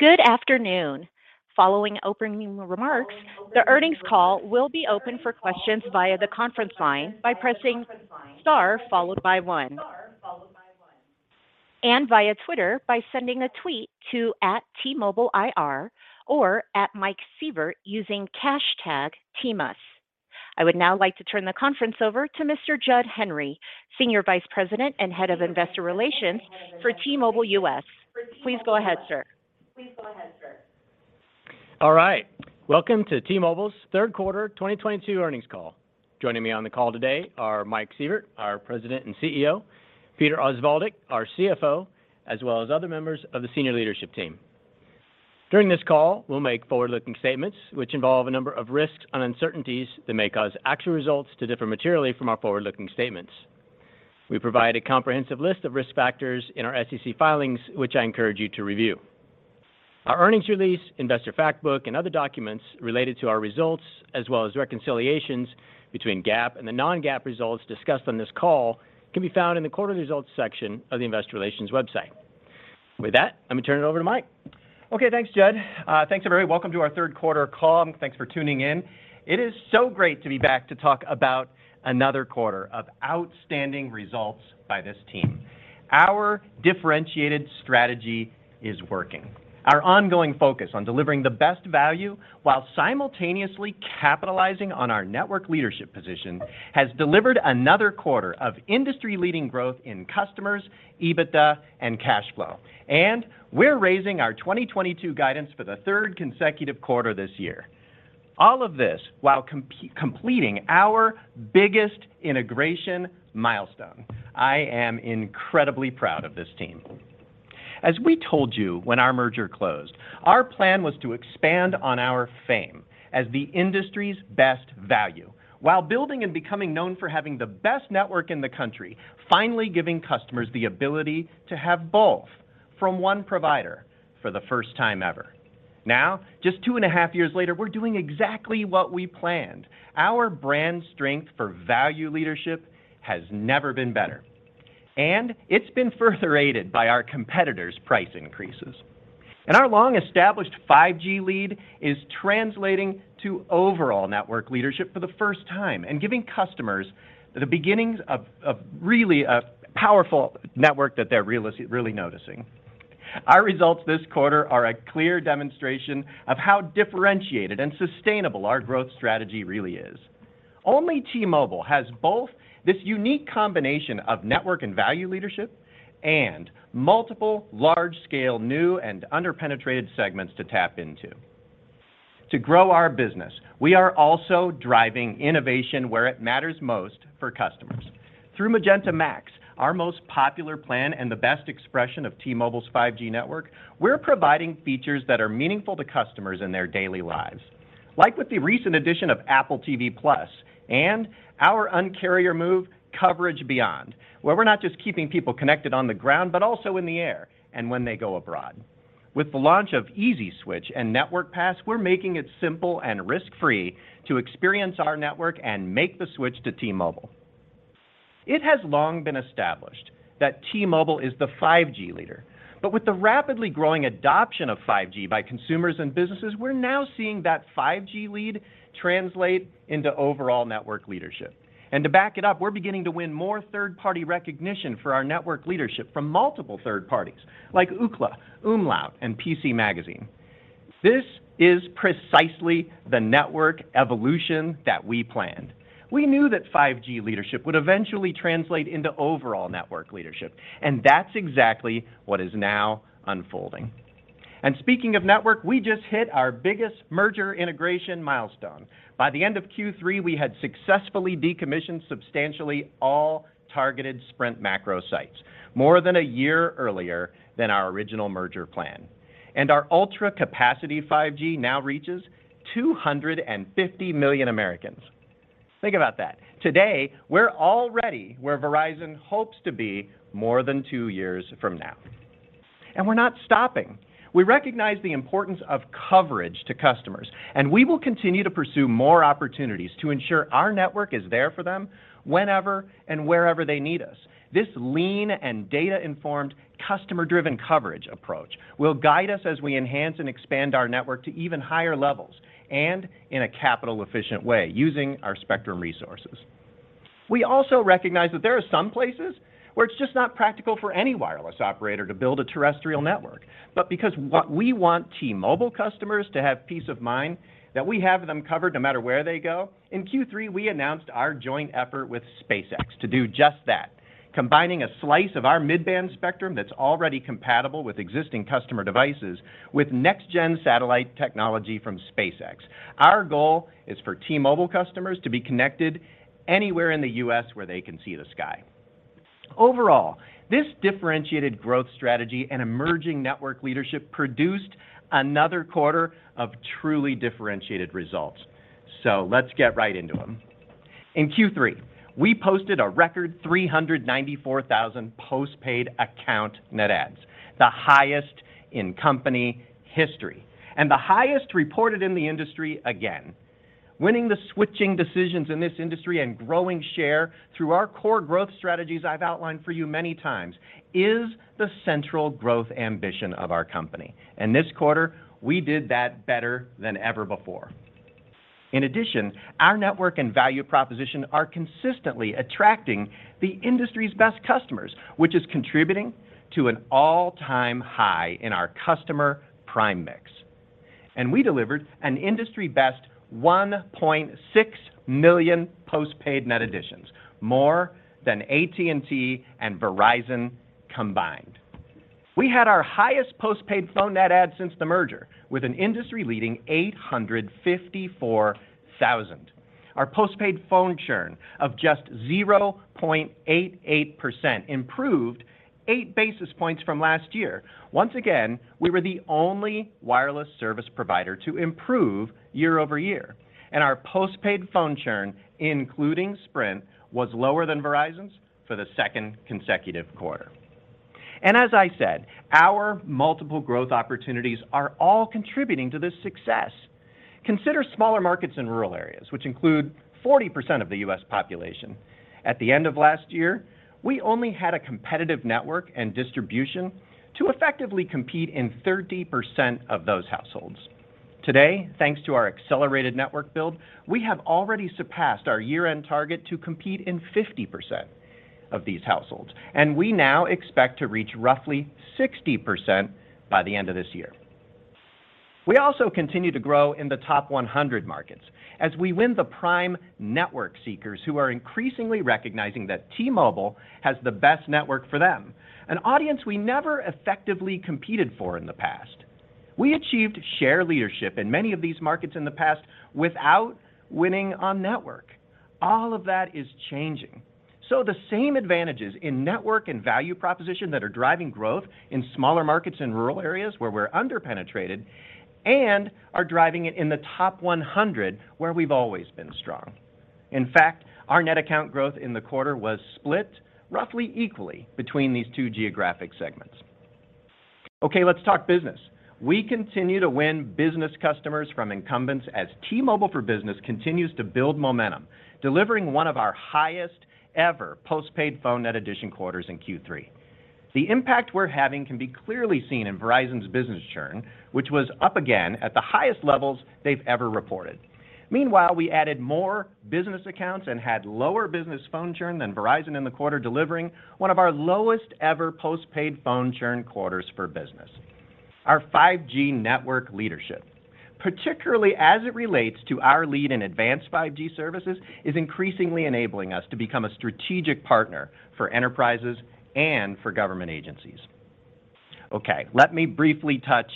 Good afternoon. Following opening remarks, the earnings call will be open for questions via the conference line by pressing star followed by one. Via Twitter by sending a tweet to @TMobileIR or @MikeSievert using hashtag T-Mobile. I would now like to turn the conference over to Mr. Judd Henry, Senior Vice President and Head of Investor Relations for T-Mobile US. Please go ahead, sir. All right. Welcome to T-Mobile's third quarter 2022 earnings call. Joining me on the call today are Mike Sievert, our President and CEO, Peter Osvaldik, our CFO, as well as other members of the senior leadership team. During this call, we'll make forward-looking statements which involve a number of risks and uncertainties that may cause actual results to differ materially from our forward-looking statements. We provide a comprehensive list of risk factors in our SEC filings, which I encourage you to review. Our earnings release, investor fact book, and other documents related to our results as well as reconciliations between GAAP and the non-GAAP results discussed on this call can be found in the quarter results section of the investor relations website. With that, let me turn it over to Mike. Okay, thanks Judd. Thanks everybody. Welcome to our third quarter call and thanks for tuning in. It is so great to be back to talk about another quarter of outstanding results by this team. Our differentiated strategy is working. Our ongoing focus on delivering the best value while simultaneously capitalizing on our network leadership position has delivered another quarter of industry-leading growth in customers, EBITDA, and cash flow. We're raising our 2022 guidance for the third consecutive quarter this year. All of this while completing our biggest integration milestone. I am incredibly proud of this team. As we told you when our merger closed, our plan was to expand on our fame as the industry's best value while building and becoming known for having the best network in the country, finally giving customers the ability to have both from one provider for the first time ever. Now, just two and a half years later, we're doing exactly what we planned. Our brand strength for value leadership has never been better, and it's been further aided by our competitors' price increases. Our long-established 5G lead is translating to overall network leadership for the first time and giving customers the beginnings of really a powerful network that they're really noticing. Our results this quarter are a clear demonstration of how differentiated and sustainable our growth strategy really is. Only T-Mobile has both this unique combination of network and value leadership and multiple large-scale new and under-penetrated segments to tap into. To grow our business, we are also driving innovation where it matters most for customers. Through Magenta MAX, our most popular plan and the best expression of T-Mobile's 5G network, we're providing features that are meaningful to customers in their daily lives. Like with the recent addition of Apple TV+ and our Un-carrier move, Coverage Beyond, where we're not just keeping people connected on the ground, but also in the air and when they go abroad. With the launch of Easy Switch and Network Pass, we're making it simple and risk-free to experience our network and make the switch to T-Mobile. It has long been established that T-Mobile is the 5G leader. With the rapidly growing adoption of 5G by consumers and businesses, we're now seeing that 5G lead translate into overall network leadership. To back it up, we're beginning to win more third-party recognition for our network leadership from multiple third parties like Ookla, Umlaut, and PC Magazine. This is precisely the network evolution that we planned. We knew that 5G leadership would eventually translate into overall network leadership, and that's exactly what is now unfolding. Speaking of network, we just hit our biggest merger integration milestone. By the end of Q3, we had successfully decommissioned substantially all targeted Sprint macro sites more than a year earlier than our original merger plan. Our ultra capacity 5G now reaches 250 million Americans. Think about that. Today, we're already where Verizon hopes to be more than 2 years from now. We're not stopping. We recognize the importance of coverage to customers, and we will continue to pursue more opportunities to ensure our network is there for them whenever and wherever they need us. This lean and data-informed customer-driven coverage approach will guide us as we enhance and expand our network to even higher levels and in a capital efficient way using our spectrum resources. We also recognize that there are some places where it's just not practical for any wireless operator to build a terrestrial network. Because what we want T-Mobile customers to have peace of mind that we have them covered no matter where they go, in Q3 we announced our joint effort with SpaceX to do just that, combining a slice of our mid-band spectrum that's already compatible with existing customer devices with next gen satellite technology from SpaceX. Our goal is for T-Mobile customers to be connected anywhere in the U.S. where they can see the sky. Overall, this differentiated growth strategy and emerging network leadership produced another quarter of truly differentiated results. Let's get right into them. In Q3, we posted a record 394,000 postpaid account net adds, the highest in company history and the highest reported in the industry again. Winning the switching decisions in this industry and growing share through our core growth strategies I've outlined for you many times is the central growth ambition of our company. This quarter, we did that better than ever before. In addition, our network and value proposition are consistently attracting the industry's best customers, which is contributing to an all-time high in our customer prime mix. We delivered an industry-best 1.6 million postpaid net additions, more than AT&T and Verizon combined. We had our highest postpaid phone net adds since the merger with an industry-leading 854,000. Our postpaid phone churn of just 0.88% improved 8 basis points from last year. Once again, we were the only wireless service provider to improve year-over-year, and our postpaid phone churn, including Sprint, was lower than Verizon's for the second consecutive quarter. As I said, our multiple growth opportunities are all contributing to this success. Consider smaller markets in rural areas, which include 40% of the U.S. population. At the end of last year, we only had a competitive network and distribution to effectively compete in 30% of those households. Today, thanks to our accelerated network build, we have already surpassed our year-end target to compete in 50% of these households, and we now expect to reach roughly 60% by the end of this year. We also continue to grow in the top 100 markets as we win the prime network seekers who are increasingly recognizing that T-Mobile has the best network for them, an audience we never effectively competed for in the past. We achieved share leadership in many of these markets in the past without winning on network. All of that is changing. The same advantages in network and value proposition that are driving growth in smaller markets in rural areas where we're under-penetrated and are driving it in the top 100 where we've always been strong. In fact, our net account growth in the quarter was split roughly equally between these two geographic segments. Okay, let's talk business. We continue to win business customers from incumbents as T-Mobile for Business continues to build momentum, delivering one of our highest ever postpaid phone net addition quarters in Q3. The impact we're having can be clearly seen in Verizon's business churn, which was up again at the highest levels they've ever reported. Meanwhile, we added more business accounts and had lower business phone churn than Verizon in the quarter, delivering one of our lowest ever postpaid phone churn quarters for business. Our 5G network leadership, particularly as it relates to our lead in advanced 5G services, is increasingly enabling us to become a strategic partner for enterprises and for government agencies. Okay, let me briefly touch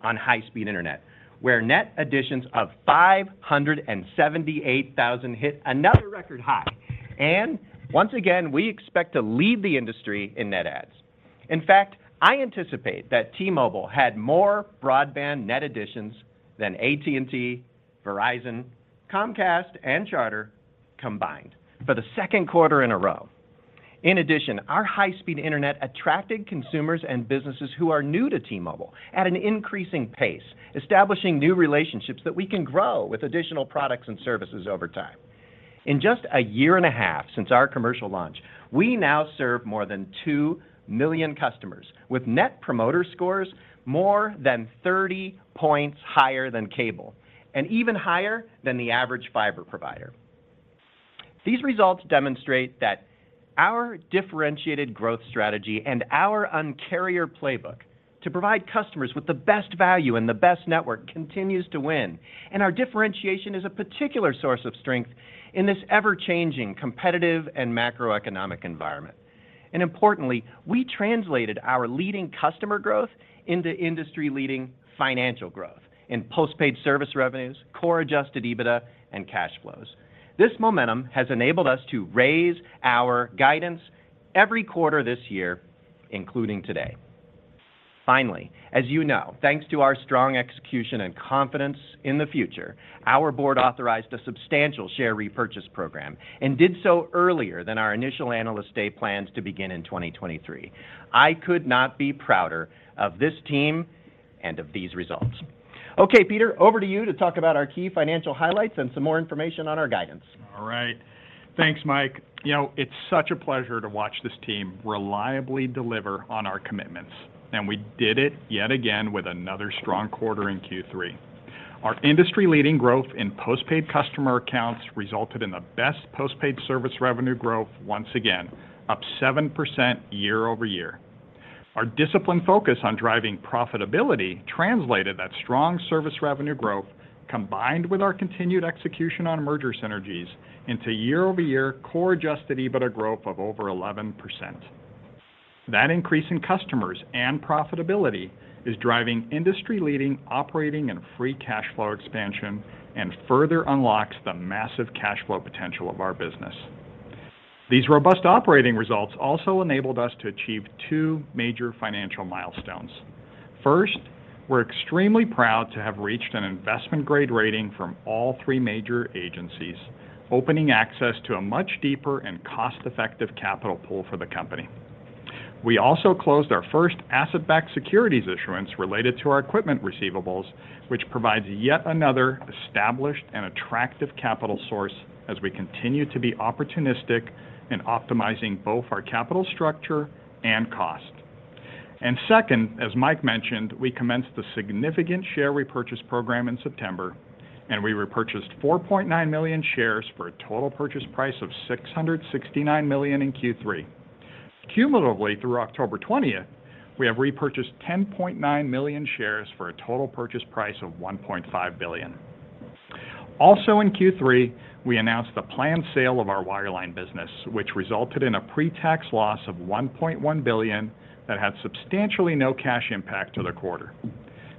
on high-speed internet, where net additions of 578,000 hit another record high. Once again, we expect to lead the industry in net adds. In fact, I anticipate that T-Mobile had more broadband net additions than AT&T, Verizon, Comcast, and Charter combined for the second quarter in a row. In addition, our high-speed internet attracted consumers and businesses who are new to T-Mobile at an increasing pace, establishing new relationships that we can grow with additional products and services over time. In just a year and a half since our commercial launch, we now serve more than 2 million customers with net promoter scores more than 30 points higher than cable and even higher than the average fiber provider. These results demonstrate that our differentiated growth strategy and our Un-carrier playbook to provide customers with the best value and the best network continues to win. Our differentiation is a particular source of strength in this ever-changing competitive and macroeconomic environment. Importantly, we translated our leading customer growth into industry-leading financial growth in postpaid service revenues, Core Adjusted EBITDA, and cash flows. This momentum has enabled us to raise our guidance every quarter this year, including today. Finally, as you know, thanks to our strong execution and confidence in the future, our board authorized a substantial share repurchase program and did so earlier than our initial Analyst Day plans to begin in 2023. I could not be prouder of this team and of these results. Okay, Peter, over to you to talk about our key financial highlights and some more information on our guidance. All right. Thanks, Mike. You know, it's such a pleasure to watch this team reliably deliver on our commitments, and we did it yet again with another strong quarter in Q3. Our industry-leading growth in postpaid customer accounts resulted in the best postpaid service revenue growth once again, up 7% year-over-year. Our disciplined focus on driving profitability translated that strong service revenue growth combined with our continued execution on merger synergies into year-over-year Core Adjusted EBITDA growth of over 11%. That increase in customers and profitability is driving industry-leading operating and free cash flow expansion and further unlocks the massive cash flow potential of our business. These robust operating results also enabled us to achieve two major financial milestones. First, we're extremely proud to have reached an investment-grade rating from all three major agencies, opening access to a much deeper and cost-effective capital pool for the company. We also closed our first asset-backed securities issuance related to our equipment receivables, which provides yet another established and attractive capital source as we continue to be opportunistic in optimizing both our capital structure and cost. Second, as Mike mentioned, we commenced the significant share repurchase program in September, and we repurchased 4.9 million shares for a total purchase price of $669 million in Q3. Cumulatively, through October 20, we have repurchased 10.9 million shares for a total purchase price of $1.5 billion. Also in Q3, we announced the planned sale of our wireline business, which resulted in a pre-tax loss of $1.1 billion that had substantially no cash impact to the quarter.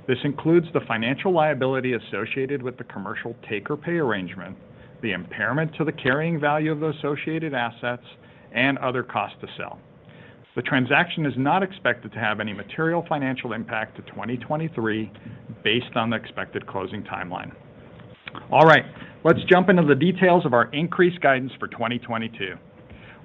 This includes the financial liability associated with the commercial take or pay arrangement, the impairment to the carrying value of the associated assets, and other costs to sell. The transaction is not expected to have any material financial impact to 2023 based on the expected closing timeline. All right. Let's jump into the details of our increased guidance for 2022.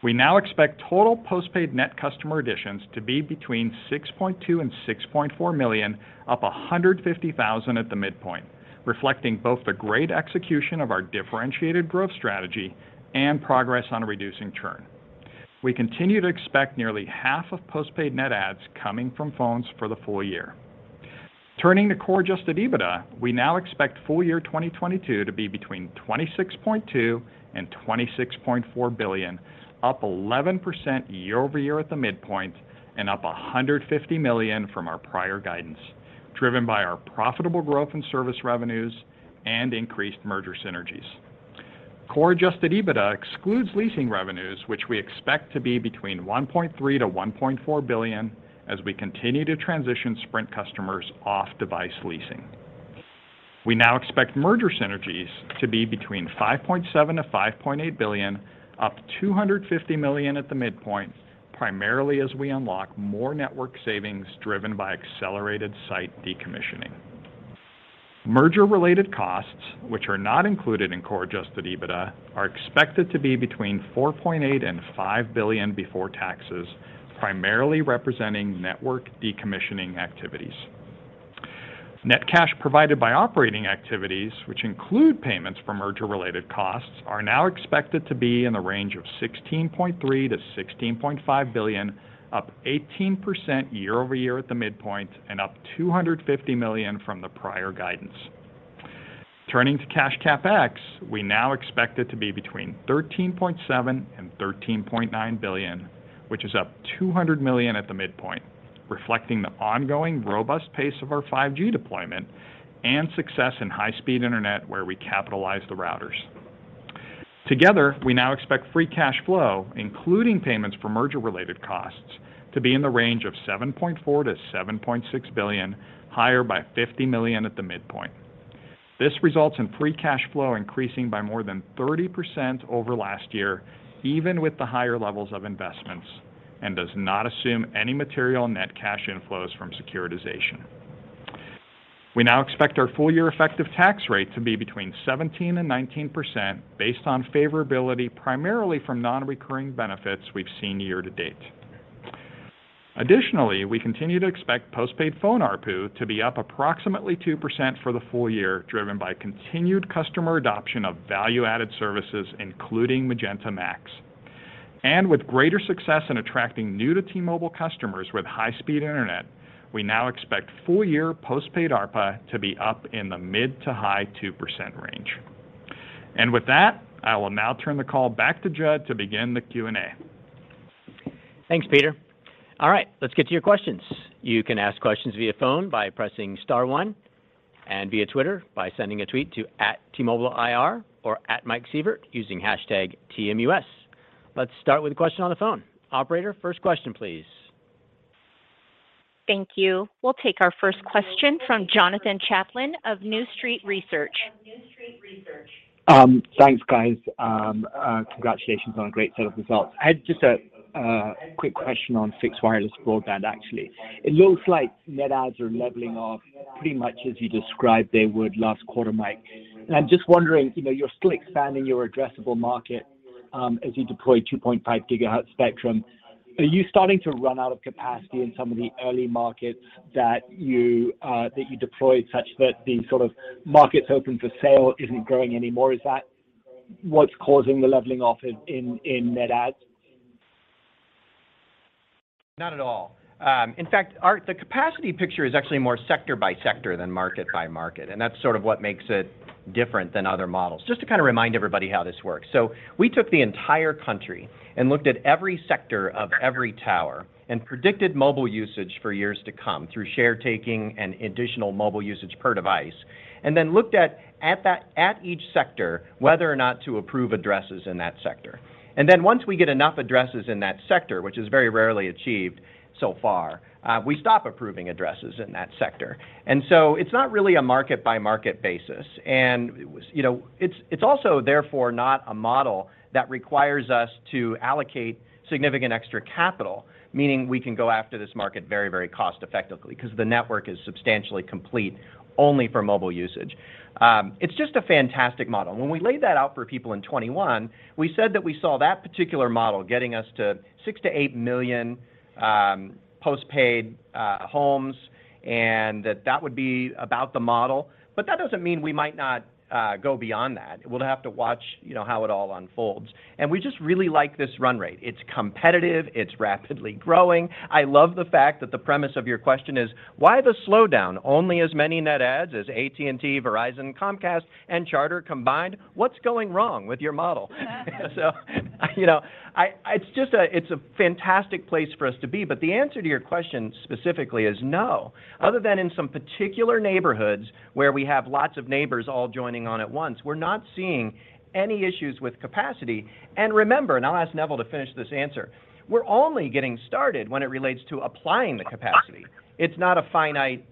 We now expect total postpaid net customer additions to be between 6.2 million and 6.4 million, up 150,000 at the midpoint, reflecting both the great execution of our differentiated growth strategy and progress on reducing churn. We continue to expect nearly half of postpaid net adds coming from phones for the full year. Turning to Core Adjusted EBITDA, we now expect full year 2022 to be between $26.2 billion and $26.4 billion, up 11% year-over-year at the midpoint and up $150 million from our prior guidance, driven by our profitable growth in service revenues and increased merger synergies. Core Adjusted EBITDA excludes leasing revenues, which we expect to be between $1.3 billion-$1.4 billion as we continue to transition Sprint customers off device leasing. We now expect merger synergies to be between $5.7 billion-$5.8 billion, up $250 million at the midpoint, primarily as we unlock more network savings driven by accelerated site decommissioning. Merger-related costs, which are not included in Core Adjusted EBITDA, are expected to be between $4.8 billion and $5 billion before taxes, primarily representing network decommissioning activities. Net cash provided by operating activities, which include payments for merger-related costs, are now expected to be in the range of $16.3 billion-$16.5 billion, up 18% year-over-year at the midpoint and up $250 million from the prior guidance. Turning to cash CapEx, we now expect it to be between $13.7 billion and $13.9 billion, which is up $200 million at the midpoint, reflecting the ongoing robust pace of our 5G deployment and success in high-speed internet where we capitalize the routers. Together, we now expect free cash flow, including payments for merger-related costs, to be in the range of $7.4 billion-$7.6 billion, higher by $50 million at the midpoint. This results in free cash flow increasing by more than 30% over last year, even with the higher levels of investments, and does not assume any material net cash inflows from securitization. We now expect our full-year effective tax rate to be between 17%-19% based on favorability primarily from non-recurring benefits we've seen year to date. Additionally, we continue to expect postpaid phone ARPU to be up approximately 2% for the full year, driven by continued customer adoption of value-added services, including Magenta MAX. With greater success in attracting new to T-Mobile customers with high-speed internet, we now expect full year postpaid ARPA to be up in the mid- to high-2% range. With that, I will now turn the call back to Judd to begin the Q&A. Thanks, Peter. All right. Let's get to your questions. You can ask questions via phone by pressing star one and via Twitter by sending a tweet to @TMobileIR or @MikeSievert using hashtag TMUS. Let's start with a question on the phone. Operator, first question, please. Thank you. We'll take our first question from Jonathan Chaplin of New Street Research. of New Street Research. Thanks, guys. Congratulations on a great set of results. I had just a quick question on fixed wireless broadband, actually. It looks like net adds are leveling off pretty much as you described they would last quarter, Mike. I'm just wondering, you know, you're still expanding your addressable market, as you deploy 2.5 gigahertz spectrum. Are you starting to run out of capacity in some of the early markets that you deployed such that the sort of markets open for sale isn't growing anymore? Is that what's causing the leveling off in net adds? Not at all. In fact, our capacity picture is actually more sector by sector than market by market, and that's sort of what makes it different than other models. Just to kind of remind everybody how this works. We took the entire country and looked at every sector of every tower and predicted mobile usage for years to come through share taking and additional mobile usage per device, and then looked at that, at each sector whether or not to approve addresses in that sector. Once we get enough addresses in that sector, which is very rarely achieved so far, we stop approving addresses in that sector. It's not really a market by market basis. You know, it's also therefore not a model that requires us to allocate significant extra capital, meaning we can go after this market very, very cost effectively because the network is substantially complete only for mobile usage. It's just a fantastic model. When we laid that out for people in 2021, we said that we saw that particular model getting us to 6-8 million postpaid homes, and that that would be about the model. But that doesn't mean we might not go beyond that. We'll have to watch, you know, how it all unfolds. We just really like this run rate. It's competitive. It's rapidly growing. I love the fact that the premise of your question is, why the slowdown? Only as many net adds as AT&T, Verizon, Comcast and Charter combined. What's going wrong with your model? You know, it's a fantastic place for us to be. But the answer to your question specifically is no. Other than in some particular neighborhoods where we have lots of neighbors all joining on at once, we're not seeing any issues with capacity. Remember, I'll ask Neville to finish this answer. We're only getting started when it relates to applying the capacity. It's not a finite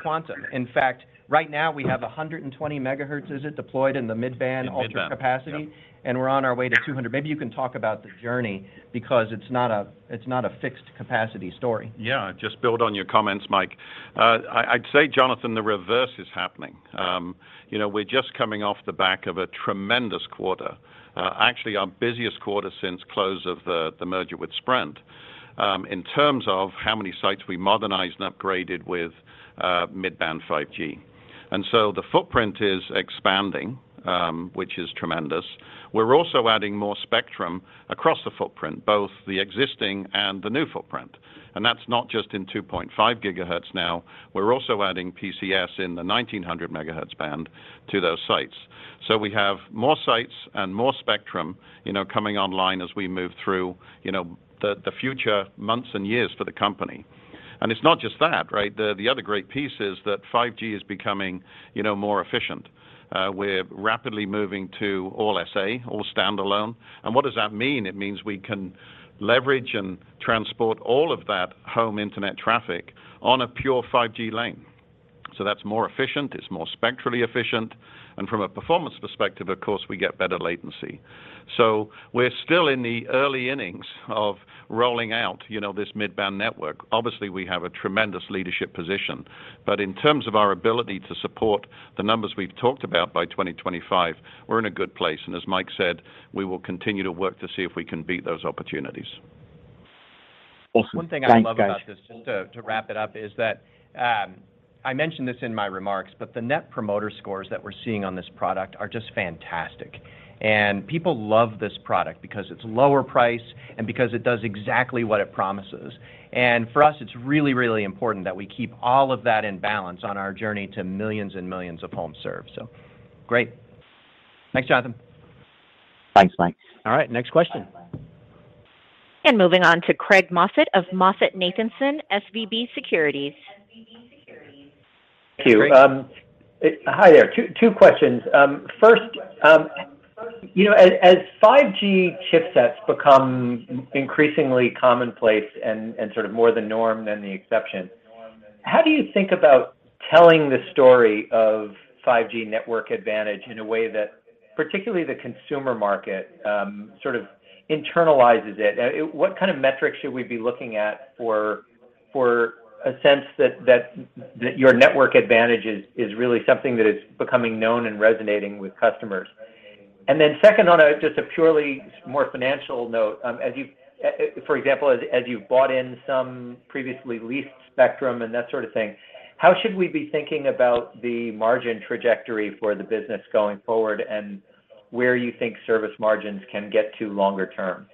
quantum. In fact, right now we have 120 megahertz deployed in the mid-band. In mid-band, yep. Ultra Capacity, and we're on our way to 200. Maybe you can talk about the journey because it's not a fixed capacity story. Yeah. Just build on your comments, Mike. I'd say, Jonathan, the reverse is happening. You know, we're just coming off the back of a tremendous quarter, actually our busiest quarter since close of the merger with Sprint, in terms of how many sites we modernized and upgraded with mid-band 5G. The footprint is expanding, which is tremendous. We're also adding more spectrum across the footprint, both the existing and the new footprint, and that's not just in 2.5 GHz now. We're also adding PCS in the 1900 MHz band to those sites. We have more sites and more spectrum, you know, coming online as we move through the future months and years for the company. It's not just that, right? The other great piece is that 5G is becoming, you know, more efficient. We're rapidly moving to all SA, all standalone, and what does that mean? It means we can leverage and transport all of that home internet traffic on a pure 5G lane. That's more efficient, it's more spectrally efficient, and from a performance perspective, of course, we get better latency. We're still in the early innings of rolling out, you know, this mid-band network. Obviously, we have a tremendous leadership position, but in terms of our ability to support the numbers we've talked about by 2025, we're in a good place, and as Mike said, we will continue to work to see if we can beat those opportunities. Awesome. One thing I love about this, just to wrap it up, is that I mentioned this in my remarks, but the net promoter scores that we're seeing on this product are just fantastic. People love this product because it's lower price and because it does exactly what it promises. For us, it's really, really important that we keep all of that in balance on our journey to millions and millions of homes served. Great. Thanks, Jonathan. Thanks, Mike. All right, next question. Moving on to Craig Moffett of MoffettNathanson / SVB Securities. Thank you. Craig. Hi there. Two questions. First, you know, as 5G chipsets become increasingly commonplace and sort of more the norm than the exception, how do you think about telling the story of 5G network advantage in a way that particularly the consumer market sort of internalizes it? What kind of metrics should we be looking at for a sense that your network advantage is really something that is becoming known and resonating with customers? Second, on just a purely more financial note, for example, as you bought in some previously leased spectrum and that sort of thing, how should we be thinking about the margin trajectory for the business going forward and where you think service margins can get to longer term?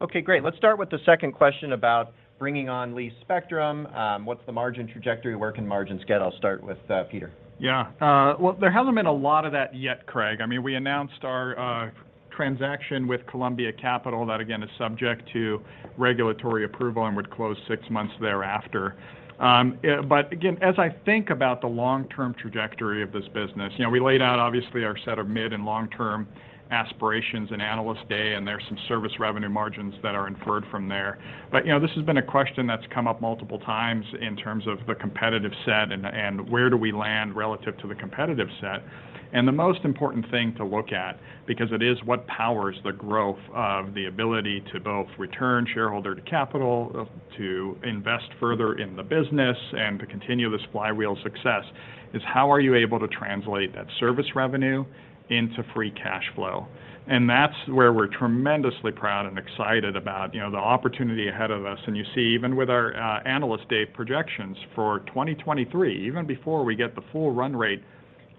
Okay, great. Let's start with the second question about bringing on leased spectrum. What's the margin trajectory? Where can margins get? I'll start with Peter. Yeah. Well, there hasn't been a lot of that yet, Craig. I mean, we announced our transaction with Columbia Capital. That again is subject to regulatory approval and would close six months thereafter. But again, as I think about the long-term trajectory of this business, you know, we laid out obviously our set of mid and long-term aspirations in Analyst Day, and there are some service revenue margins that are inferred from there. But, you know, this has been a question that's come up multiple times in terms of the competitive set and where do we land relative to the competitive set. The most important thing to look at, because it is what powers the growth of the ability to both return capital to shareholders, to invest further in the business, and to continue this flywheel success, is how are you able to translate that service revenue into free cash flow? That's where we're tremendously proud and excited about, you know, the opportunity ahead of us. You see, even with our Analyst Day projections for 2023, even before we get the full run rate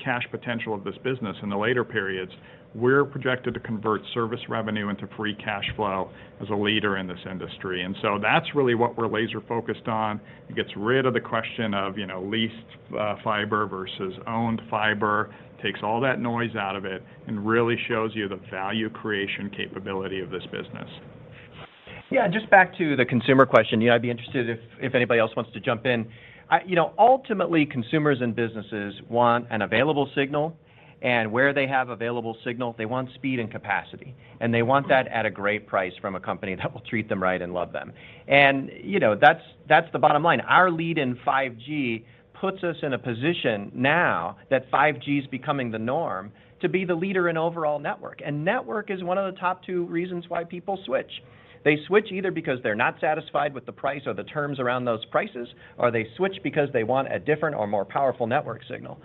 cash potential of this business in the later periods, we're projected to convert service revenue into free cash flow as a leader in this industry. That's really what we're laser focused on. It gets rid of the question of, you know, leased fiber versus owned fiber, takes all that noise out of it and really shows you the value creation capability of this business. Yeah, just back to the consumer question. You know, I'd be interested if anybody else wants to jump in. You know, ultimately consumers and businesses want an available signal, and where they have available signal, they want speed and capacity, and they want that at a great price from a company that will treat them right and love them. You know, that's the bottom line. Our lead in 5G puts us in a position now that 5G is becoming the norm to be the leader in overall network. Network is one of the top two reasons why people switch. They switch either because they're not satisfied with the price or the terms around those prices, or they switch because they want a different or more powerful network signal.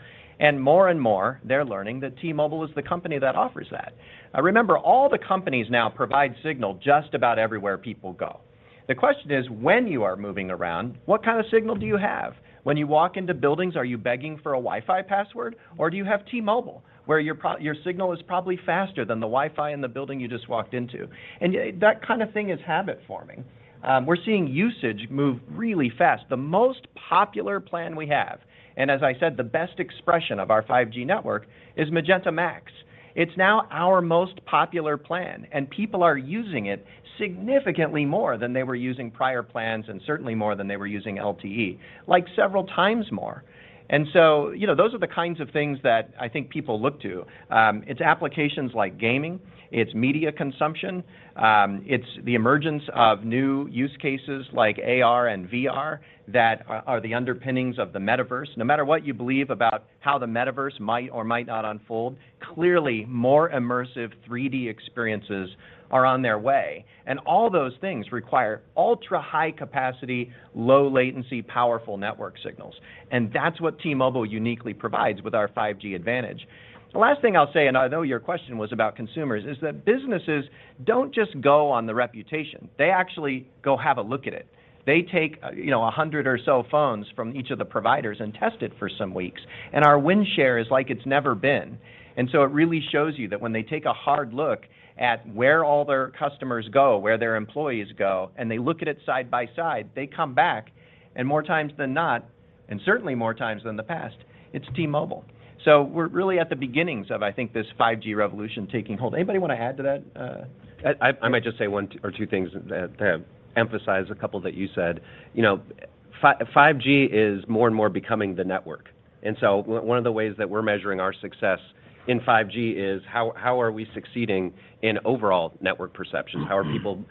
More and more, they're learning that T-Mobile is the company that offers that. Remember all the companies now provide signal just about everywhere people go. The question is, when you are moving around, what kind of signal do you have? When you walk into buildings, are you begging for a Wi-Fi password or do you have T-Mobile, where your signal is probably faster than the Wi-Fi in the building you just walked into? That kind of thing is habit-forming. We're seeing usage move really fast. The most popular plan we have, and as I said, the best expression of our 5G network, is Magenta MAX. It's now our most popular plan, and people are using it significantly more than they were using prior plans and certainly more than they were using LTE, like several times more. You know, those are the kinds of things that I think people look to. It's applications like gaming, it's media consumption, it's the emergence of new use cases like AR and VR that are the underpinnings of the Metaverse. No matter what you believe about how the Metaverse might or might not unfold, clearly more immersive 3D experiences are on their way, and all those things require ultra-high capacity, low latency, powerful network signals. That's what T-Mobile uniquely provides with our 5G advantage. The last thing I'll say, and I know your question was about consumers, is that businesses don't just go on the reputation. They actually go have a look at it. They take, you know, 100 or so phones from each of the providers and test it for some weeks. Our win share is like it's never been. It really shows you that when they take a hard look at where all their customers go, where their employees go, and they look at it side by side, they come back, and more times than not, and certainly more times than the past, it's T-Mobile. We're really at the beginnings of, I think, this 5G revolution taking hold. Anybody want to add to that? I might just say one or two things that emphasize a couple that you said. You know, 5G is more and more becoming the network. One of the ways that we're measuring our success in 5G is how are we succeeding in overall network perceptions? Mm-hmm. How are people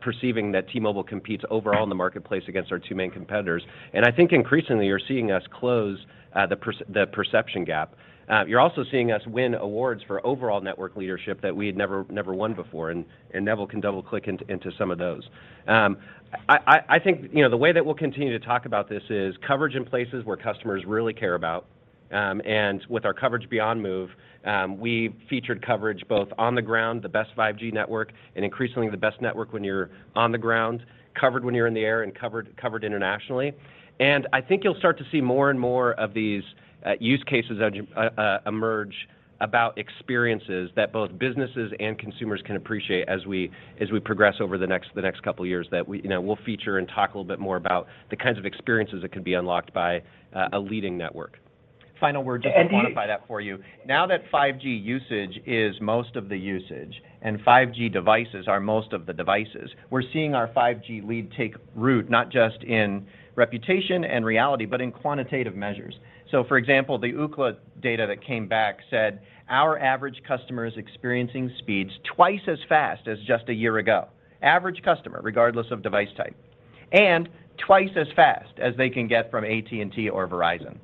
perceiving that T-Mobile competes overall in the marketplace against our two main competitors? I think increasingly you're seeing us close the perception gap. You're also seeing us win awards for overall network leadership that we had never won before, and Neville can double-click into some of those. I think, you know, the way that we'll continue to talk about this is coverage in places where customers really care about. With our Coverage Beyond move, we featured coverage both on the ground, the best 5G network, and increasingly the best network when you're on the ground, covered when you're in the air and covered internationally. I think you'll start to see more and more of these use cases emerge about experiences that both businesses and consumers can appreciate as we progress over the next couple of years that we, you know, we'll feature and talk a little bit more about the kinds of experiences that can be unlocked by a leading network. Final word just to quantify that for you. Now that 5G usage is most of the usage and 5G devices are most of the devices, we're seeing our 5G lead take root, not just in reputation and reality, but in quantitative measures. For example, the Ookla data that came back said our average customer is experiencing speeds twice as fast as just a year ago. Average customer, regardless of device type. Twice as fast as they can get from AT&T or Verizon.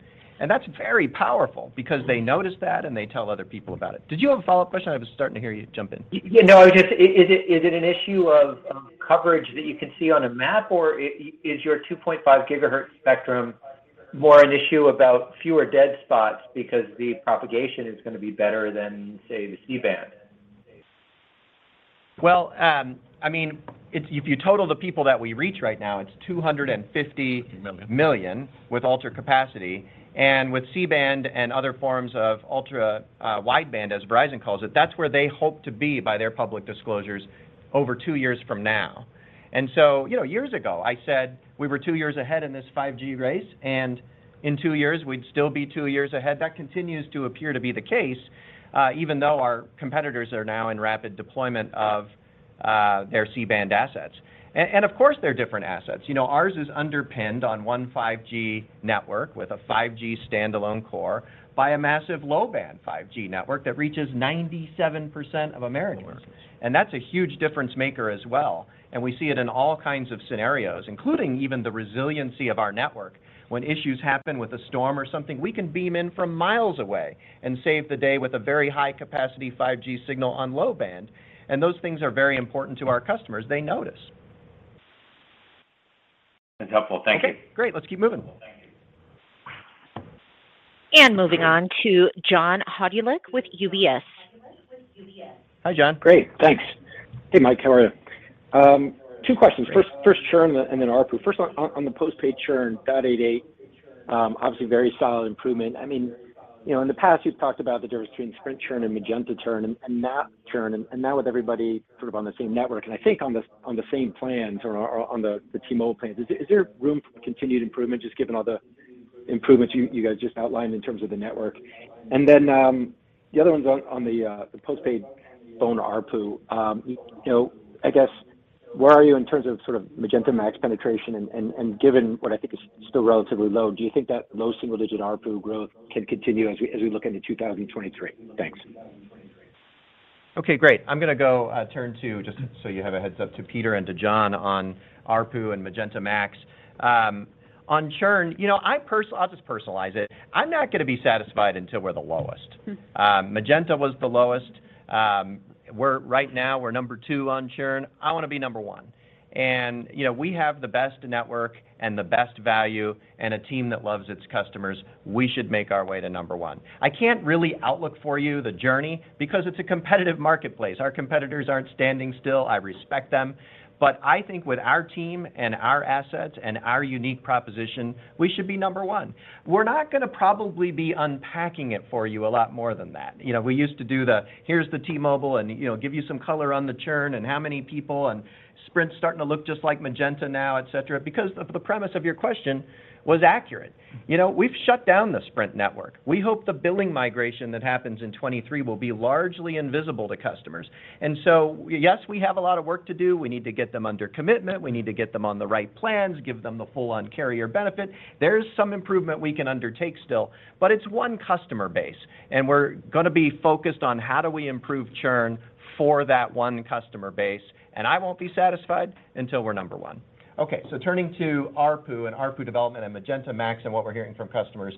That's very powerful because they notice that and they tell other people about it. Did you have a follow-up question? I was starting to hear you jump in. Yeah. No, just is it an issue of coverage that you can see on a map, or is your 2.5 GHz spectrum more an issue about fewer dead spots because the propagation is gonna be better than, say, the C-band? Well, I mean, if you total the people that we reach right now, it's 250. Million million with altered capacity. With C-band and other forms of ultra wideband, as Verizon calls it, that's where they hope to be by their public disclosures over two years from now. You know, years ago, I said we were two years ahead in this 5G race, and in two years, we'd still be two years ahead. That continues to appear to be the case, even though our competitors are now in rapid deployment of their C-band assets. Of course, they're different assets. You know, ours is underpinned on one 5G network with a 5G standalone core by a massive low-band 5G network that reaches 97% of Americans. That's a huge difference maker as well. We see it in all kinds of scenarios, including even the resiliency of our network. When issues happen with a storm or something, we can beam in from miles away and save the day with a very high capacity 5G signal on low-band. Those things are very important to our customers. They notice. That's helpful. Thank you. Okay, great. Let's keep moving. Thank you. Moving on to John Hodulik with UBS. Hi, John. Great. Thanks. Hey, Mike. How are you? 2 questions. First churn and then ARPU. First on the postpaid churn, that 0.88, obviously very solid improvement. I mean, you know, in the past, you've talked about the difference between Sprint churn and Magenta churn, and that churn. Now with everybody sort of on the same network, and I think on the same plans or on the T-Mobile plans, is there room for continued improvement just given all the improvements you guys just outlined in terms of the network? Then the other one's on the postpaid phone ARPU. You know, I guess, where are you in terms of sort of Magenta MAX penetration? Given what I think is still relatively low, do you think that low single-digit ARPU growth can continue as we look into 2023? Thanks. Okay, great. I'm gonna go turn to, just so you have a heads-up, to Peter and to John on ARPU and Magenta MAX. On churn, you know, I'll just personalize it. I'm not gonna be satisfied until we're the lowest. Hmm. Magenta was the lowest. Right now we're number two on churn. I wanna be number one. You know, we have the best network and the best value and a team that loves its customers. We should make our way to number one. I can't really outlook for you the journey because it's a competitive marketplace. Our competitors aren't standing still. I respect them. I think with our team and our assets and our unique proposition, we should be number one. We're not gonna probably be unpacking it for you a lot more than that. You know, we used to do the "Here's the T-Mobile" and, you know, give you some color on the churn and how many people, and Sprint's starting to look just like Magenta now, et cetera. Because the premise of your question was accurate. You know, we've shut down the Sprint network. We hope the billing migration that happens in 2023 will be largely invisible to customers. Yes, we have a lot of work to do. We need to get them under commitment. We need to get them on the right plans, give them the full-on carrier benefit. There's some improvement we can undertake still, but it's one customer base, and we're gonna be focused on how do we improve churn for that one customer base, and I won't be satisfied until we're number one. Okay, turning to ARPU and ARPU development and Magenta MAX and what we're hearing from customers,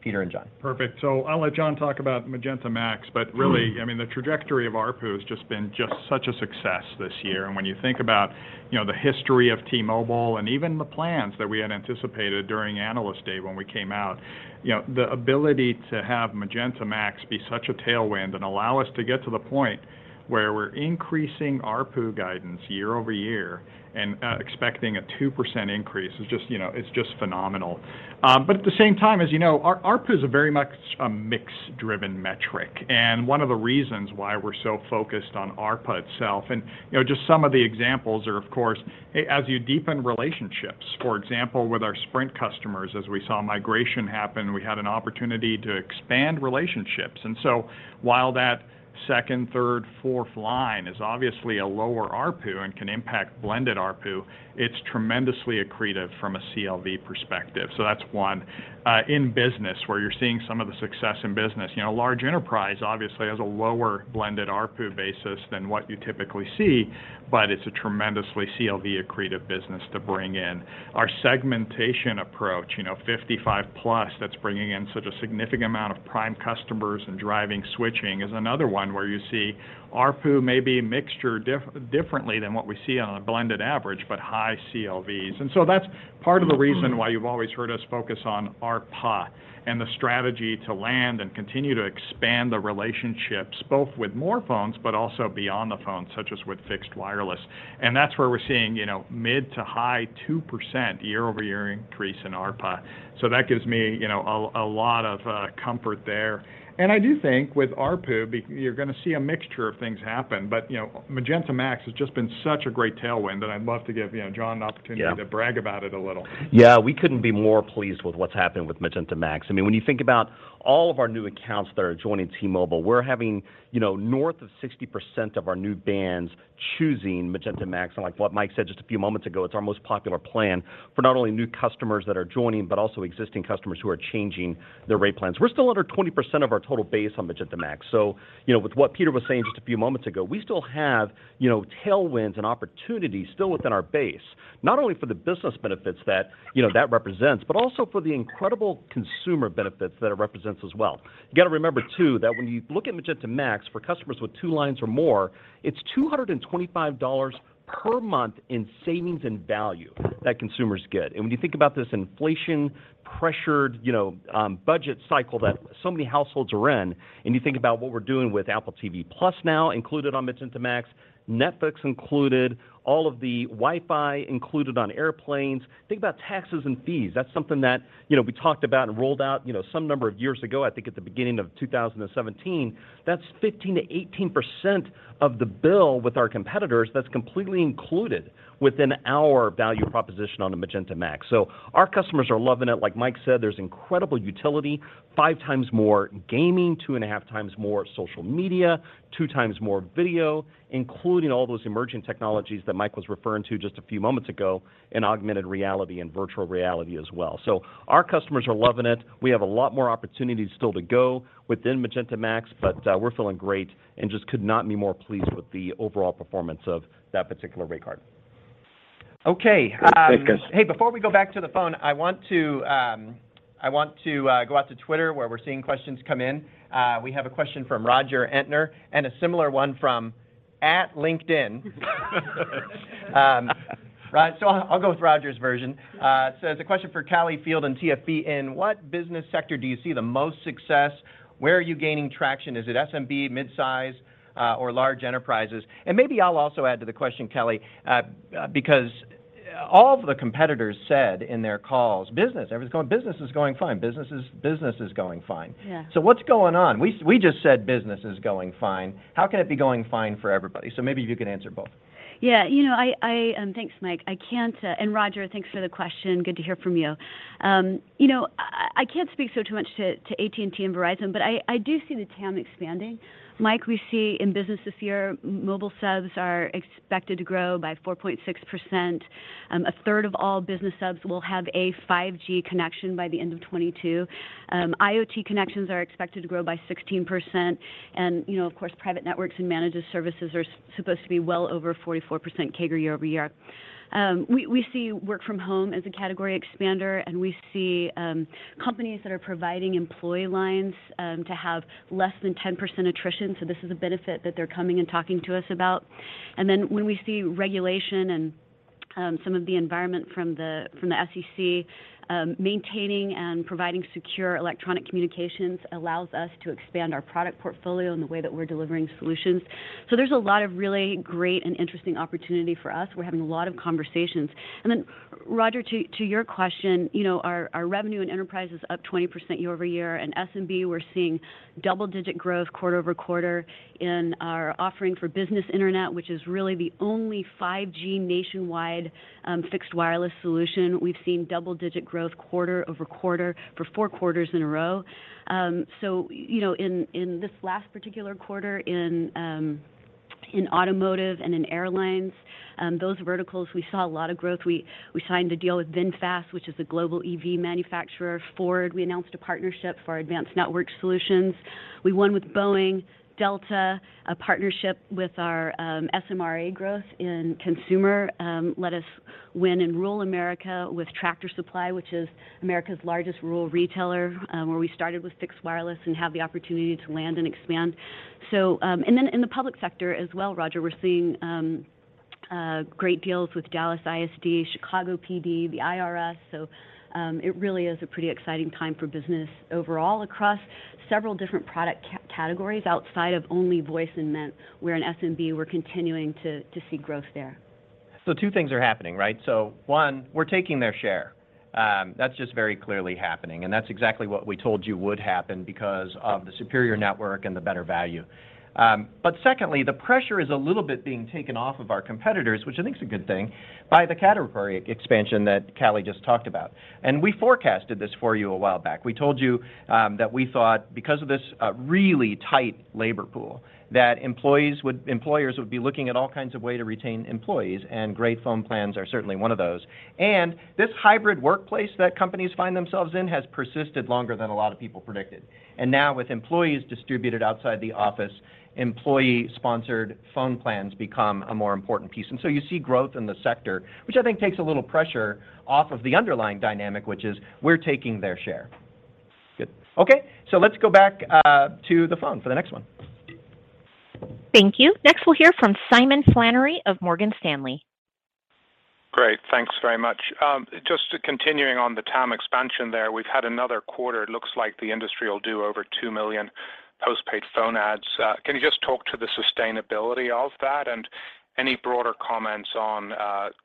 Peter and Jon. Perfect. I'll let Jon talk about Magenta MAX. Mm-hmm I mean, the trajectory of ARPU has just been such a success this year. When you think about, you know, the history of T-Mobile and even the plans that we had anticipated during Analyst Day when we came out, you know, the ability to have Magenta MAX be such a tailwind and allow us to get to the point where we're increasing ARPU guidance year-over-year and expecting a 2% increase is just, you know, it's just phenomenal. At the same time, as you know, ARPU is very much a mix-driven metric, and one of the reasons why we're so focused on ARPA itself. You know, just some of the examples are, of course, as you deepen relationships, for example, with our Sprint customers, as we saw migration happen, we had an opportunity to expand relationships. While that second, third, fourth line is obviously a lower ARPU and can impact blended ARPU, it's tremendously accretive from a CLV perspective. That's one. In business, where you're seeing some of the success in business. You know, large enterprise obviously has a lower blended ARPU basis than what you typically see, but it's a tremendously CLV accretive business to bring in. Our segmentation approach, you know, 55+, that's bringing in such a significant amount of prime customers and driving switching, is another one where you see ARPU may be mixed differently than what we see on a blended average, but high CLVs. That's part of the reason. why you've always heard us focus on ARPA and the strategy to land and continue to expand the relationships, both with more phones but also beyond the phone, such as with fixed wireless. That's where we're seeing, you know, mid- to high 2% year-over-year increase in ARPA. That gives me, you know, a lot of comfort there. I do think with ARPU, you're gonna see a mixture of things happen. You know, Magenta MAX has just been such a great tailwind, and I'd love to give, you know, John an opportunity- Yeah to brag about it a little. Yeah, we couldn't be more pleased with what's happened with Magenta MAX. I mean, when you think about all of our new accounts that are joining T-Mobile, we're having, you know, north of 60% of our new plans choosing Magenta MAX. Like what Mike said just a few moments ago, it's our most popular plan for not only new customers that are joining, but also existing customers who are changing their rate plans. We're still under 20% of our total base on Magenta MAX. You know, with what Peter was saying just a few moments ago, we still have, you know, tailwinds and opportunities still within our base, not only for the business benefits that, you know, that represents, but also for the incredible consumer benefits that it represents as well. You gotta remember, too, that when you look at Magenta MAX, for customers with two lines or more, it's $225 per month in savings and value that consumers get. When you think about this inflation-pressured, you know, budget cycle that so many households are in, and you think about what we're doing with Apple TV+ now included on Magenta MAX, Netflix included, all of the Wi-Fi included on airplanes. Think about taxes and fees. That's something that, you know, we talked about and rolled out, you know, some number of years ago, I think at the beginning of 2017. That's 15%-18% of the bill with our competitors that's completely included within our value proposition on a Magenta MAX. Our customers are loving it. Like Mike said, there's incredible utility, 5 times more gaming, 2.5 times more social media, 2 times more video, including all those emerging technologies that Mike was referring to just a few moments ago, and augmented reality and virtual reality as well. Our customers are loving it. We have a lot more opportunities still to go within Magenta MAX, but we're feeling great and just could not be more pleased with the overall performance of that particular rate card. Okay. Thanks, guys. Hey, before we go back to the phone, I want to go out to Twitter, where we're seeing questions come in. We have a question from Roger Entner and a similar one from LinkedIn. So I'll go with Roger's version. It says, "A question for Callie Field and TFB. In what business sector do you see the most success? Where are you gaining traction? Is it SMB, mid-size, or large enterprises?" Maybe I'll also add to the question, Callie, because all of the competitors said in their calls, "Business." Everybody's going, "Business is going fine. Business is going fine. Yeah. What's going on? We just said business is going fine. How can it be going fine for everybody? Maybe you can answer both. Yeah. Thanks, Mike. Roger, thanks for the question. Good to hear from you. I can't speak too much to AT&T and Verizon, but I do see the TAM expanding. Mike, we see in business this year, mobile subs are expected to grow by 4.6%. A third of all business subs will have a 5G connection by the end of 2022. IoT connections are expected to grow by 16%. You know, of course, private networks and managed services are supposed to be well over 44% CAGR year-over-year. We see work from home as a category expander, and we see companies that are providing employee lines to have less than 10% attrition. This is a benefit that they're coming and talking to us about. We see regulation and some of the environment from the SEC maintaining and providing secure electronic communications allows us to expand our product portfolio and the way that we're delivering solutions. There's a lot of really great and interesting opportunity for us. We're having a lot of conversations. Roger, to your question, you know, our revenue and enterprise is up 20% year-over-year. In SMB, we're seeing double-digit growth quarter-over-quarter in our offering for business internet, which is really the only 5G nationwide fixed wireless solution. We've seen double-digit growth quarter-over-quarter for four quarters in a row. So, you know, in this last particular quarter in automotive and in airlines, those verticals, we saw a lot of growth. We signed a deal with VinFast, which is a global EV manufacturer. Ford, we announced a partnership for our advanced network solutions. We won with Boeing, Delta, a partnership with our SMRA growth in consumer let us win in rural America with Tractor Supply, which is America's largest rural retailer, where we started with fixed wireless and have the opportunity to land and expand. In the public sector as well, Roger, we're seeing great deals with Dallas ISD, Chicago PD, the IRS. It really is a pretty exciting time for business overall across several different product categories outside of only voice and M&T where in SMB we're continuing to see growth there. Two things are happening, right? One, we're taking their share. That's just very clearly happening, and that's exactly what we told you would happen because of the superior network and the better value. But secondly, the pressure is a little bit being taken off of our competitors, which I think is a good thing, by the category expansion that Callie just talked about. We forecasted this for you a while back. We told you that we thought because of this really tight labor pool, that employers would be looking at all kinds of way to retain employees, and great phone plans are certainly one of those. This hybrid workplace that companies find themselves in has persisted longer than a lot of people predicted. Now with employees distributed outside the office, employee-sponsored phone plans become a more important piece. You see growth in the sector, which I think takes a little pressure off of the underlying dynamic, which is we're taking their share. Good. Okay, so let's go back to the phone for the next one. Thank you. Next, we'll hear from Simon Flannery of Morgan Stanley. Great. Thanks very much. Just continuing on the TAM expansion there, we've had another quarter. It looks like the industry will do over 2 million postpaid phone adds. Can you just talk to the sustainability of that and any broader comments on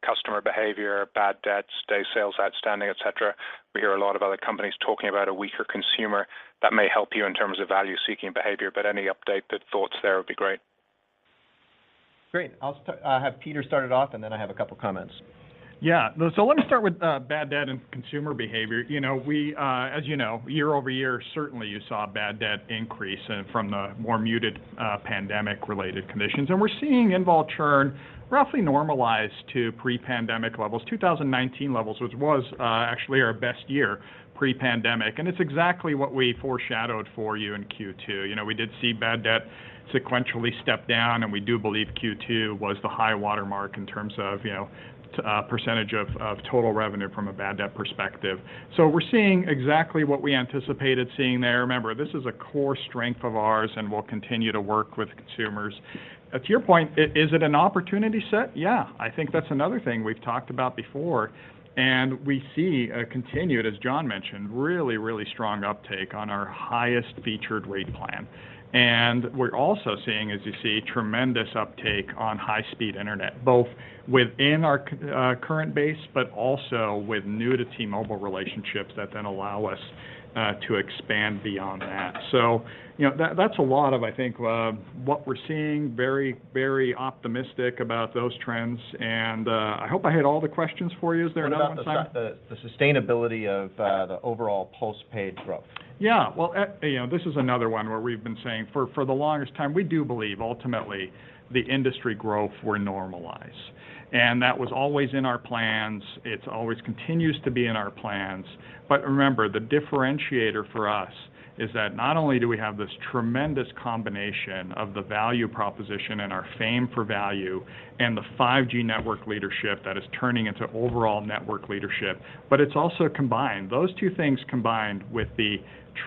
customer behavior, bad debt, days sales outstanding, et cetera? We hear a lot of other companies talking about a weaker consumer that may help you in terms of value-seeking behavior, but any update, the thoughts there would be great. Great. I'll have Peter start it off, and then I have a couple of comments. Yeah. Let me start with bad debt and consumer behavior. You know, we, as you know, year over year, certainly you saw bad debt increase and from the more muted, pandemic-related conditions. We're seeing involuntary churn roughly normalize to pre-pandemic levels, 2019 levels, which was actually our best year pre-pandemic. It's exactly what we foreshadowed for you in Q2. You know, we did see bad debt sequentially step down, and we do believe Q2 was the high water mark in terms of, you know, percentage of total revenue from a bad debt perspective. We're seeing exactly what we anticipated seeing there. Remember, this is a core strength of ours, and we'll continue to work with consumers. To your point, is it an opportunity set? Yeah. I think that's another thing we've talked about before, and we see a continued, as John mentioned, really, really strong uptake on our highest featured rate plan. We're also seeing, as you see, tremendous uptake on high-speed internet, both within our current base, but also with new to T-Mobile relationships that then allow us to expand beyond that. You know, that's a lot of, I think, what we're seeing, very, very optimistic about those trends. I hope I hit all the questions for you. Is there another one, Simon? What about the sustainability of the overall postpaid growth? Yeah. Well, you know, this is another one where we've been saying for the longest time, we do believe ultimately the industry growth will normalize. That was always in our plans. It's always continues to be in our plans. Remember, the differentiator for us is that not only do we have this tremendous combination of the value proposition and our fame for value and the 5G network leadership that is turning into overall network leadership, but it's also combined. Those two things combined with the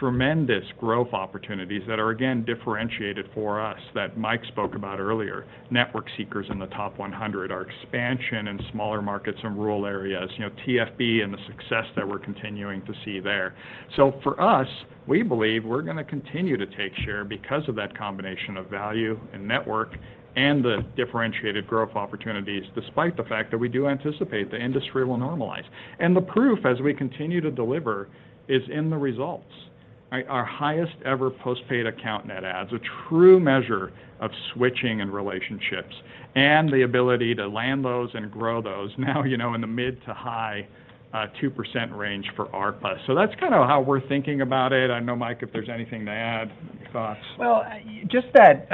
tremendous growth opportunities that are again differentiated for us that Mike spoke about earlier, network seekers in the top 100, our expansion in smaller markets and rural areas, you know, TFB and the success that we're continuing to see there. For us, we believe we're going to continue to take share because of that combination of value and network and the differentiated growth opportunities, despite the fact that we do anticipate the industry will normalize. The proof as we continue to deliver is in the results, right? Our highest ever postpaid account net adds, a true measure of switching and relationships and the ability to land those and grow those now, you know, in the mid- to high 2% range for ARPU. That's kinda how we're thinking about it. I know Mike, if there's anything to add, thoughts. Well, just that,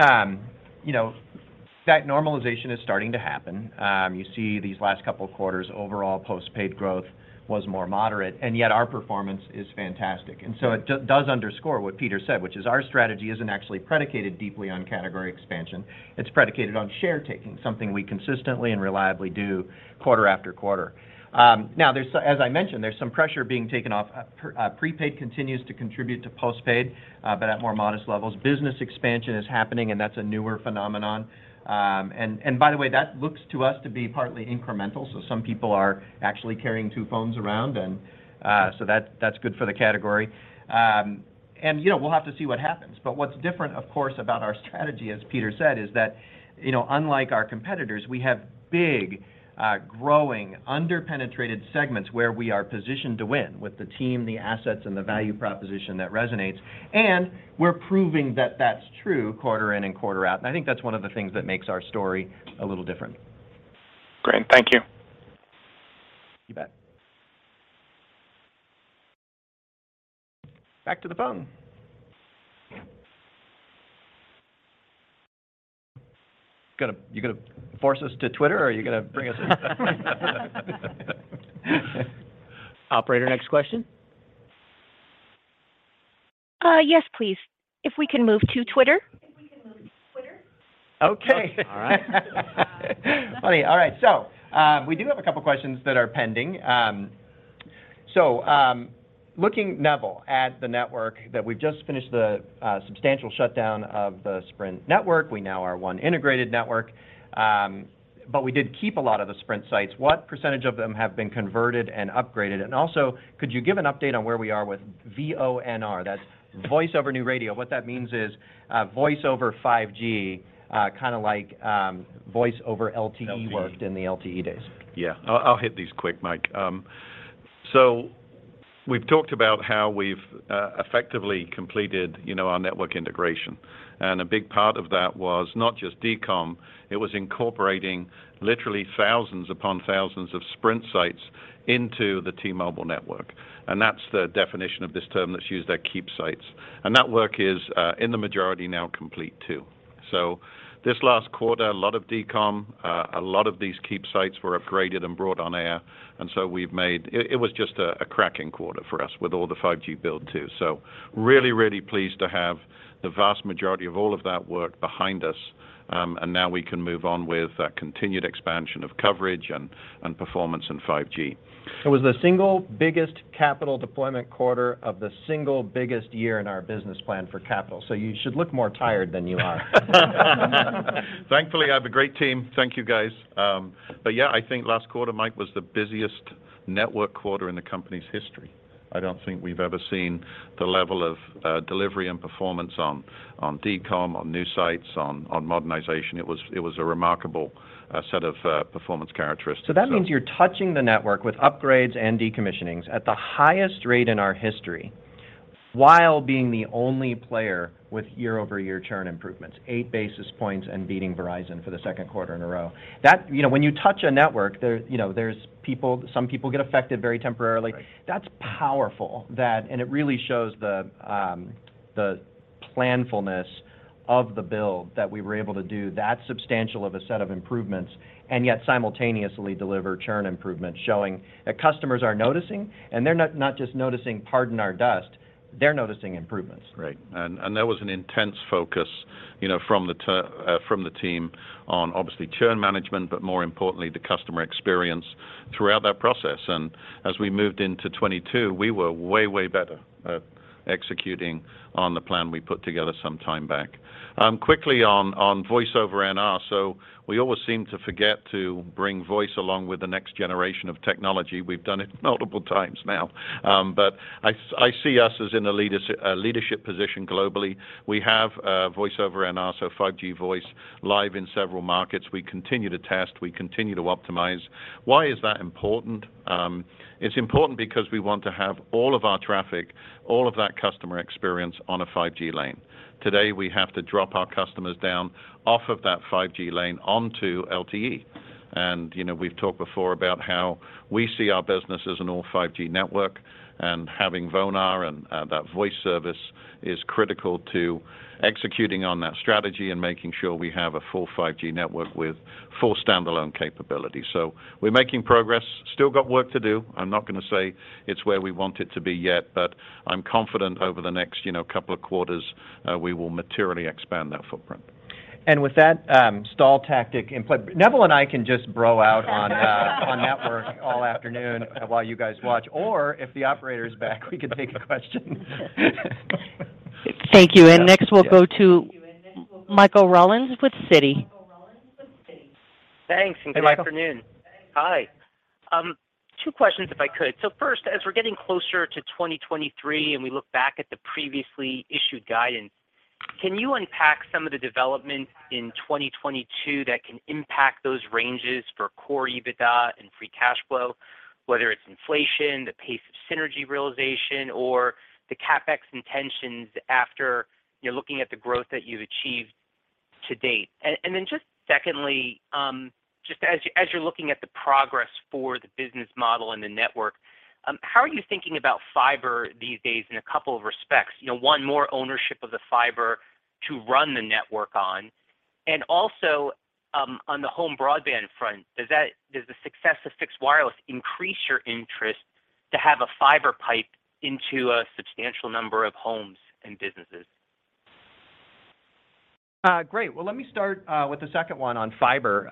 you know, that normalization is starting to happen. You see these last couple of quarters, overall postpaid growth was more moderate, and yet our performance is fantastic. It does underscore what Peter said, which is our strategy isn't actually predicated deeply on category expansion. It's predicated on share taking, something we consistently and reliably do quarter after quarter. Now, as I mentioned, there's some pressure being taken off. Prepaid continues to contribute to postpaid, but at more modest levels. Business expansion is happening, and that's a newer phenomenon. By the way, that looks to us to be partly incremental. Some people are actually carrying two phones around, and so that's good for the category. You know, we'll have to see what happens. What's different, of course, about our strategy, as Peter said, is that, you know, unlike our competitors, we have big, growing under-penetrated segments where we are positioned to win with the team, the assets, and the value proposition that resonates. We're proving that that's true quarter in and quarter out. I think that's one of the things that makes our story a little different. Great. Thank you. You bet. Back to the phone. You gonna force us to Twitter, or are you gonna bring us in? Operator, next question. Yes, please. If we can move to Twitter. Okay. All right. Funny. All right. We do have a couple questions that are pending. Looking, Neville, at the network that we've just finished the substantial shutdown of the Sprint network. We now are one integrated network, but we did keep a lot of the Sprint sites. What percentage of them have been converted and upgraded? Also, could you give an update on where we are with VoNR? That's Voice Over New Radio. What that means is voice over 5G, kind of like voice over LTE- LTE worked in the LTE days. Yeah. I'll hit these quick, Mike. So we've talked about how we've effectively completed, you know, our network integration. A big part of that was not just decomm, it was incorporating literally thousands upon thousands of Sprint sites into the T-Mobile network. That's the definition of this term that's used there, keep sites. That work is in the majority now complete too. This last quarter, a lot of decomm, a lot of these keep sites were upgraded and brought on air, and we've made it. It was just a cracking quarter for us with all the 5G build too. Really pleased to have the vast majority of all of that work behind us, and now we can move on with continued expansion of coverage and performance in 5G. It was the single biggest capital deployment quarter of the single biggest year in our business plan for capital. You should look more tired than you are. Thankfully, I have a great team. Thank you, guys. Yeah, I think last quarter, Mike, was the busiest network quarter in the company's history. I don't think we've ever seen the level of delivery and performance on decomm, on new sites, on modernization. It was a remarkable set of performance characteristics. That means you're touching the network with upgrades and decommissionings at the highest rate in our history while being the only player with year-over-year churn improvements, eight basis points and beating Verizon for the second quarter in a row. You know, when you touch a network, there, you know, there's people, some people get affected very temporarily. Right. That's powerful. It really shows the planfulness of the build that we were able to do that substantial of a set of improvements and yet simultaneously deliver churn improvements, showing that customers are noticing, and they're not just noticing, "Pardon our dust," they're noticing improvements. Right. There was an intense focus, you know, from the team on obviously churn management, but more importantly, the customer experience throughout that process. As we moved into 2022, we were way better at executing on the plan we put together some time back. Quickly on Voice over NR. We always seem to forget to bring voice along with the next generation of technology. We've done it multiple times now. I see us as in a leadership position globally. We have Voice over NR, so 5G voice live in several markets. We continue to test, we continue to optimize. Why is that important? It's important because we want to have all of our traffic, all of that customer experience on a 5G lane. Today, we have to drop our customers down off of that 5G lane onto LTE. You know, we've talked before about how we see our business as an all 5G network and having VoNR and that voice service is critical to executing on that strategy and making sure we have a full 5G network with full standalone capability. We're making progress. Still got work to do. I'm not gonna say it's where we want it to be yet, but I'm confident over the next, you know, couple of quarters, we will materially expand that footprint. With that, stall tactic in place, Neville and I can just bro out on network all afternoon while you guys watch, or if the operator is back, we can take a question. Thank you. Next, we'll go to Michael Rollins with Citi. Thanks, and good afternoon. Michael. Hi. Two questions, if I could. First, as we're getting closer to 2023, and we look back at the previously issued guidance, can you unpack some of the developments in 2022 that can impact those ranges for Core EBITDA and free cash flow, whether it's inflation, the pace of synergy realization or the CapEx intentions after you're looking at the growth that you've achieved to date? Then just secondly, as you're looking at the progress for the business model and the network, how are you thinking about fiber these days in a couple of respects? You know, one, more ownership of the fiber to run the network on. Also, on the home broadband front, does the success of fixed wireless increase your interest to have a fiber pipe into a substantial number of homes and businesses? Great. Well, let me start with the second one on fiber.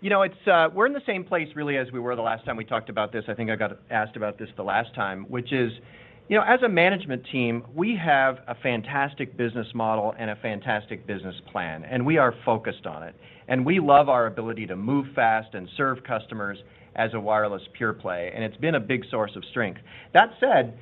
You know, it's, we're in the same place really as we were the last time we talked about this. I think I got asked about this the last time, which is, you know, as a management team, we have a fantastic business model and a fantastic business plan, and we are focused on it, and we love our ability to move fast and serve customers as a wireless pure play, and it's been a big source of strength. That said,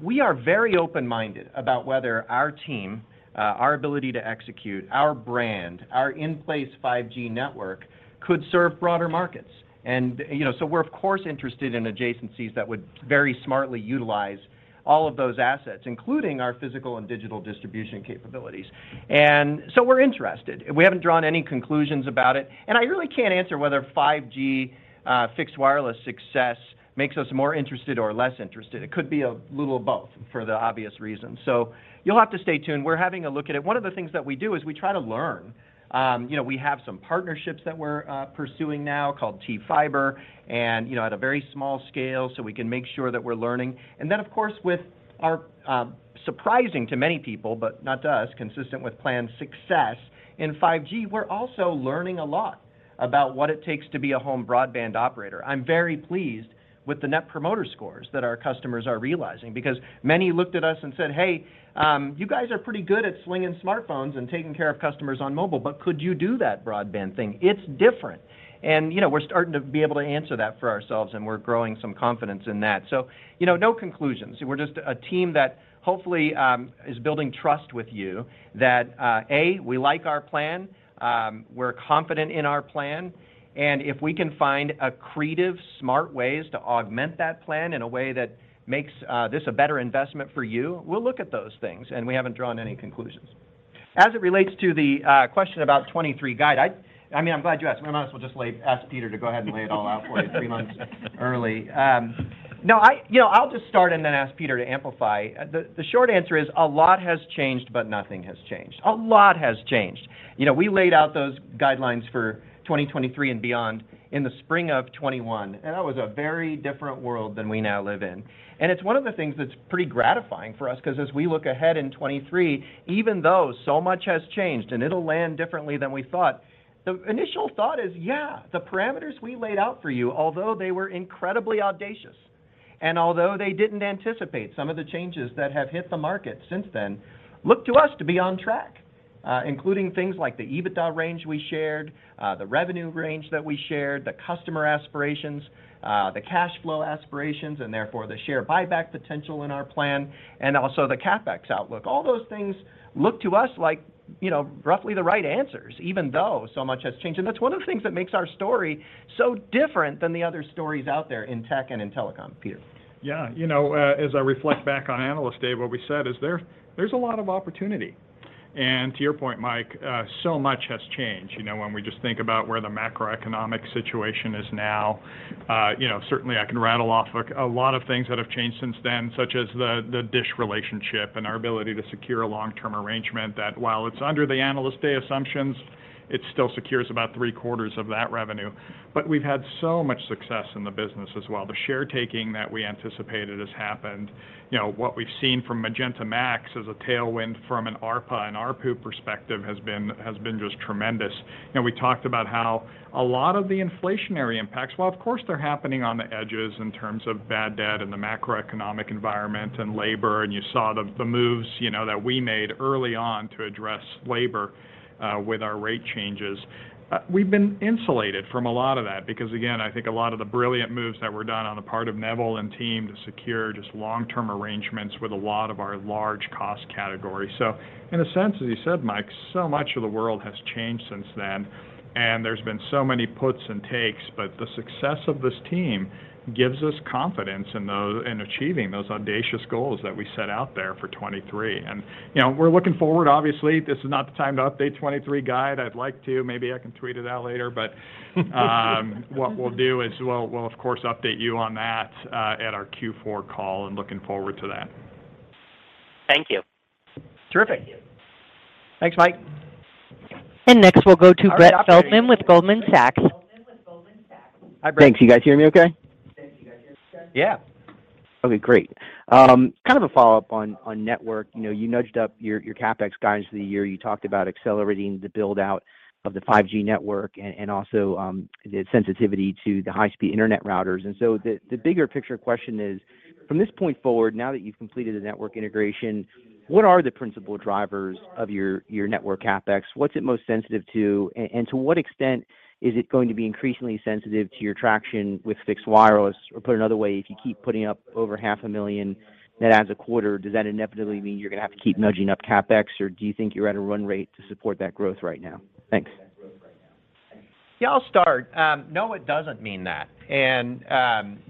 we are very open-minded about whether our team, our ability to execute, our brand, our in-place 5G network could serve broader markets. You know, we're of course interested in adjacencies that would very smartly utilize all of those assets, including our physical and digital distribution capabilities. We're interested. We haven't drawn any conclusions about it, and I really can't answer whether 5G fixed wireless success makes us more interested or less interested. It could be a little of both for the obvious reasons. You'll have to stay tuned. We're having a look at it. One of the things that we do is we try to learn. You know, we have some partnerships that we're pursuing now called T-Mobile Fiber, and, you know, at a very small scale, so we can make sure that we're learning. Of course, with our surprising to many people, but not to us, consistent with planned success in 5G, we're also learning a lot about what it takes to be a home broadband operator. I'm very pleased with the net promoter scores that our customers are realizing because many looked at us and said, "Hey, you guys are pretty good at slinging smartphones and taking care of customers on mobile, but could you do that broadband thing? It's different." You know, we're starting to be able to answer that for ourselves, and we're growing some confidence in that. You know, no conclusions. We're just a team that hopefully is building trust with you that A we like our plan. We're confident in our plan, and if we can find accretive, smart ways to augment that plan in a way that makes this a better investment for you, we'll look at those things, and we haven't drawn any conclusions. As it relates to the question about 2023 guide, I mean, I'm glad you asked. We might as well just ask Peter to go ahead and lay it all out for you three months early. No, you know, I'll just start and then ask Peter to amplify. The short answer is a lot has changed, but nothing has changed. A lot has changed. You know, we laid out those guidelines for 2023 and beyond in the spring of 2021, and that was a very different world than we now live in. It's one of the things that's pretty gratifying for us because as we look ahead in 2023, even though so much has changed and it'll land differently than we thought, the initial thought is, yeah, the parameters we laid out for you, although they were incredibly audacious, and although they didn't anticipate some of the changes that have hit the market since then, look to us to be on track, including things like the EBITDA range we shared, the revenue range that we shared, the customer aspirations, the cash flow aspirations, and therefore the share buyback potential in our plan, and also the CapEx outlook. All those things look to us like, you know, roughly the right answers, even though so much has changed. That's one of the things that makes our story so different than the other stories out there in tech and in telecom. Peter. Yeah. You know, as I reflect back on Analyst Day, what we said is there's a lot of opportunity. To your point, Mike, so much has changed, you know, when we just think about where the macroeconomic situation is now. You know, certainly I can rattle off a lot of things that have changed since then, such as the DISH relationship and our ability to secure a long-term arrangement that while it's under the Analyst Day assumptions, it still secures about three-quarters of that revenue. But we've had so much success in the business as well. The share taking that we anticipated has happened. You know, what we've seen from Magenta MAX as a tailwind from an ARPA and ARPU perspective has been just tremendous. You know, we talked about how a lot of the inflationary impacts, while of course they're happening on the edges in terms of bad debt and the macroeconomic environment and labor, and you saw the moves, you know, that we made early on to address labor with our rate changes. We've been insulated from a lot of that because again, I think a lot of the brilliant moves that were done on the part of Neville and team to secure just long-term arrangements with a lot of our large cost categories. So in a sense, as you said, Mike, so much of the world has changed since then, and there's been so many puts and takes, but the success of this team gives us confidence in achieving those audacious goals that we set out there for 2023. You know, we're looking forward. Obviously, this is not the time to update 2023 guide. I'd like to. Maybe I can tweet it out later, but what we'll do is we'll of course update you on that at our Q4 call, and looking forward to that. Thank you. Terrific. Thanks, Mike. Next, we'll go to Brett Feldman with Goldman Sachs. Hi, Brett. Thanks. You guys hear me okay? Yeah. Okay, great. Kind of a follow-up on network. You nudged up your CapEx guidance for the year. You talked about accelerating the build-out of the 5G network and the sensitivity to the high-speed internet routers. The bigger picture question is, from this point forward, now that you've completed the network integration, what are the principal drivers of your network CapEx? What's it most sensitive to? And to what extent is it going to be increasingly sensitive to your traction with fixed wireless? Or put another way, if you keep putting up over 500,000 net adds a quarter, does that inevitably mean you're gonna have to keep nudging up CapEx, or do you think you're at a run rate to support that growth right now? Thanks. Yeah, I'll start. No, it doesn't mean that.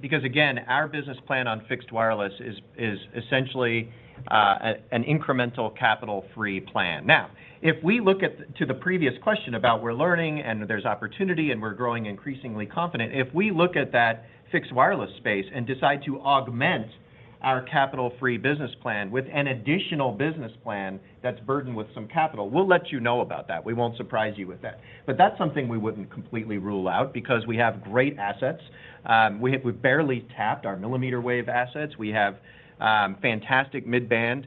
Because again, our business plan on fixed wireless is essentially an incremental capital free plan. Now, if we look back to the previous question about where we're learning and there's opportunity, and we're growing increasingly confident, if we look at that fixed wireless space and decide to augment our capital free business plan with an additional business plan that's burdened with some capital, we'll let you know about that. We won't surprise you with that. That's something we wouldn't completely rule out because we have great assets. We've barely tapped our millimeter wave assets. We have fantastic mid-band.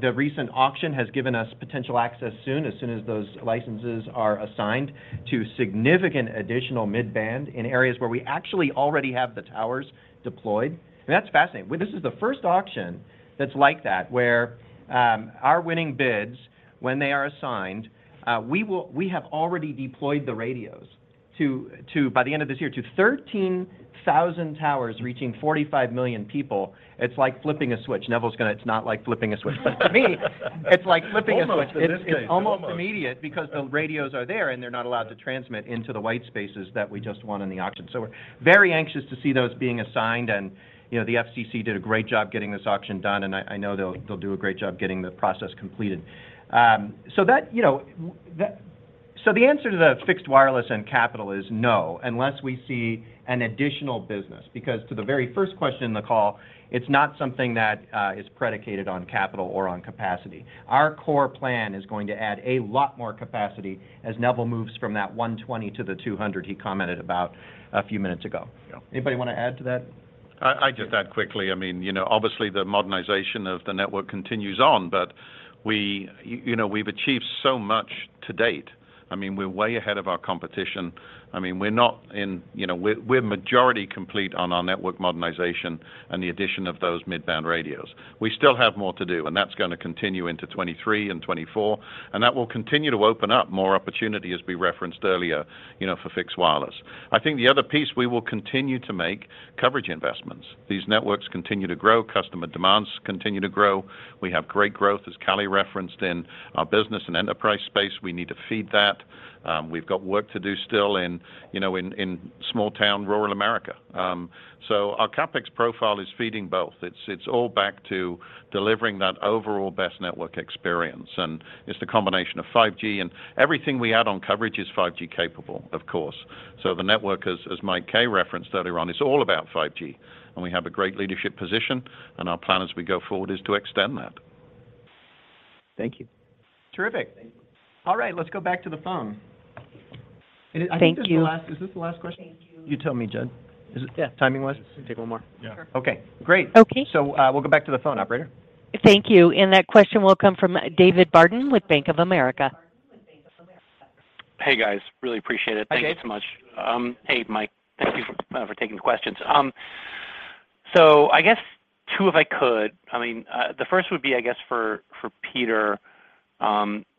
The recent auction has given us potential access soon, as soon as those licenses are assigned, to significant additional mid-band in areas where we actually already have the towers deployed. That's fascinating. Well, this is the first auction that's like that, where our winning bids, when they are assigned, we have already deployed the radios to by the end of this year to 13,000 towers reaching 45 million people. It's like flipping a switch. It's not like flipping a switch. To me, it's like flipping a switch. Almost in this case. Almost. It's almost immediate because the radios are there, and they're not allowed to transmit into the white spaces that we just won in the auction. We're very anxious to see those being assigned and, you know, the FCC did a great job getting this auction done, and I know they'll do a great job getting the process completed. The answer to the fixed wireless and capital is no, unless we see an additional business. Because to the very first question in the call, it's not something that is predicated on capital or on capacity. Our core plan is going to add a lot more capacity as Neville moves from that 120 to the 200 he commented about a few minutes ago. Yeah. Anybody want to add to that? I just add quickly. I mean, you know, obviously the modernization of the network continues on, but we, you know, we've achieved so much to date. I mean, we're way ahead of our competition. I mean, we're not in, you know, we're majority complete on our network modernization and the addition of those mid-band radios. We still have more to do, and that's gonna continue into 2023 and 2024, and that will continue to open up more opportunity, as we referenced earlier, you know, for fixed wireless. I think the other piece, we will continue to make coverage investments. These networks continue to grow, customer demands continue to grow. We have great growth, as Kelly referenced, in our business and enterprise space. We need to feed that. We've got work to do still in, you know, small town rural America. Our CapEx profile is feeding both. It's all back to delivering that overall best network experience. It's the combination of 5G, and everything we add on coverage is 5G capable, of course. The network, as Mike K referenced earlier on, is all about 5G, and we have a great leadership position and our plan as we go forward is to extend that. Thank you. Terrific. All right. Let's go back to the phone. Thank you. Is this the last question? You tell me, Judd. Is it? Yeah. Timing-wise? We can take one more. Yeah. Sure. Okay, great. Okay. We'll go back to the phone operator. Thank you. That question will come from David Barden with Bank of America. Hey, guys. Really appreciate it. Hi, Dave. Thanks so much. Hey, Mike. Thank you for taking the questions. So I guess two, if I could. I mean, the first would be, I guess for Peter,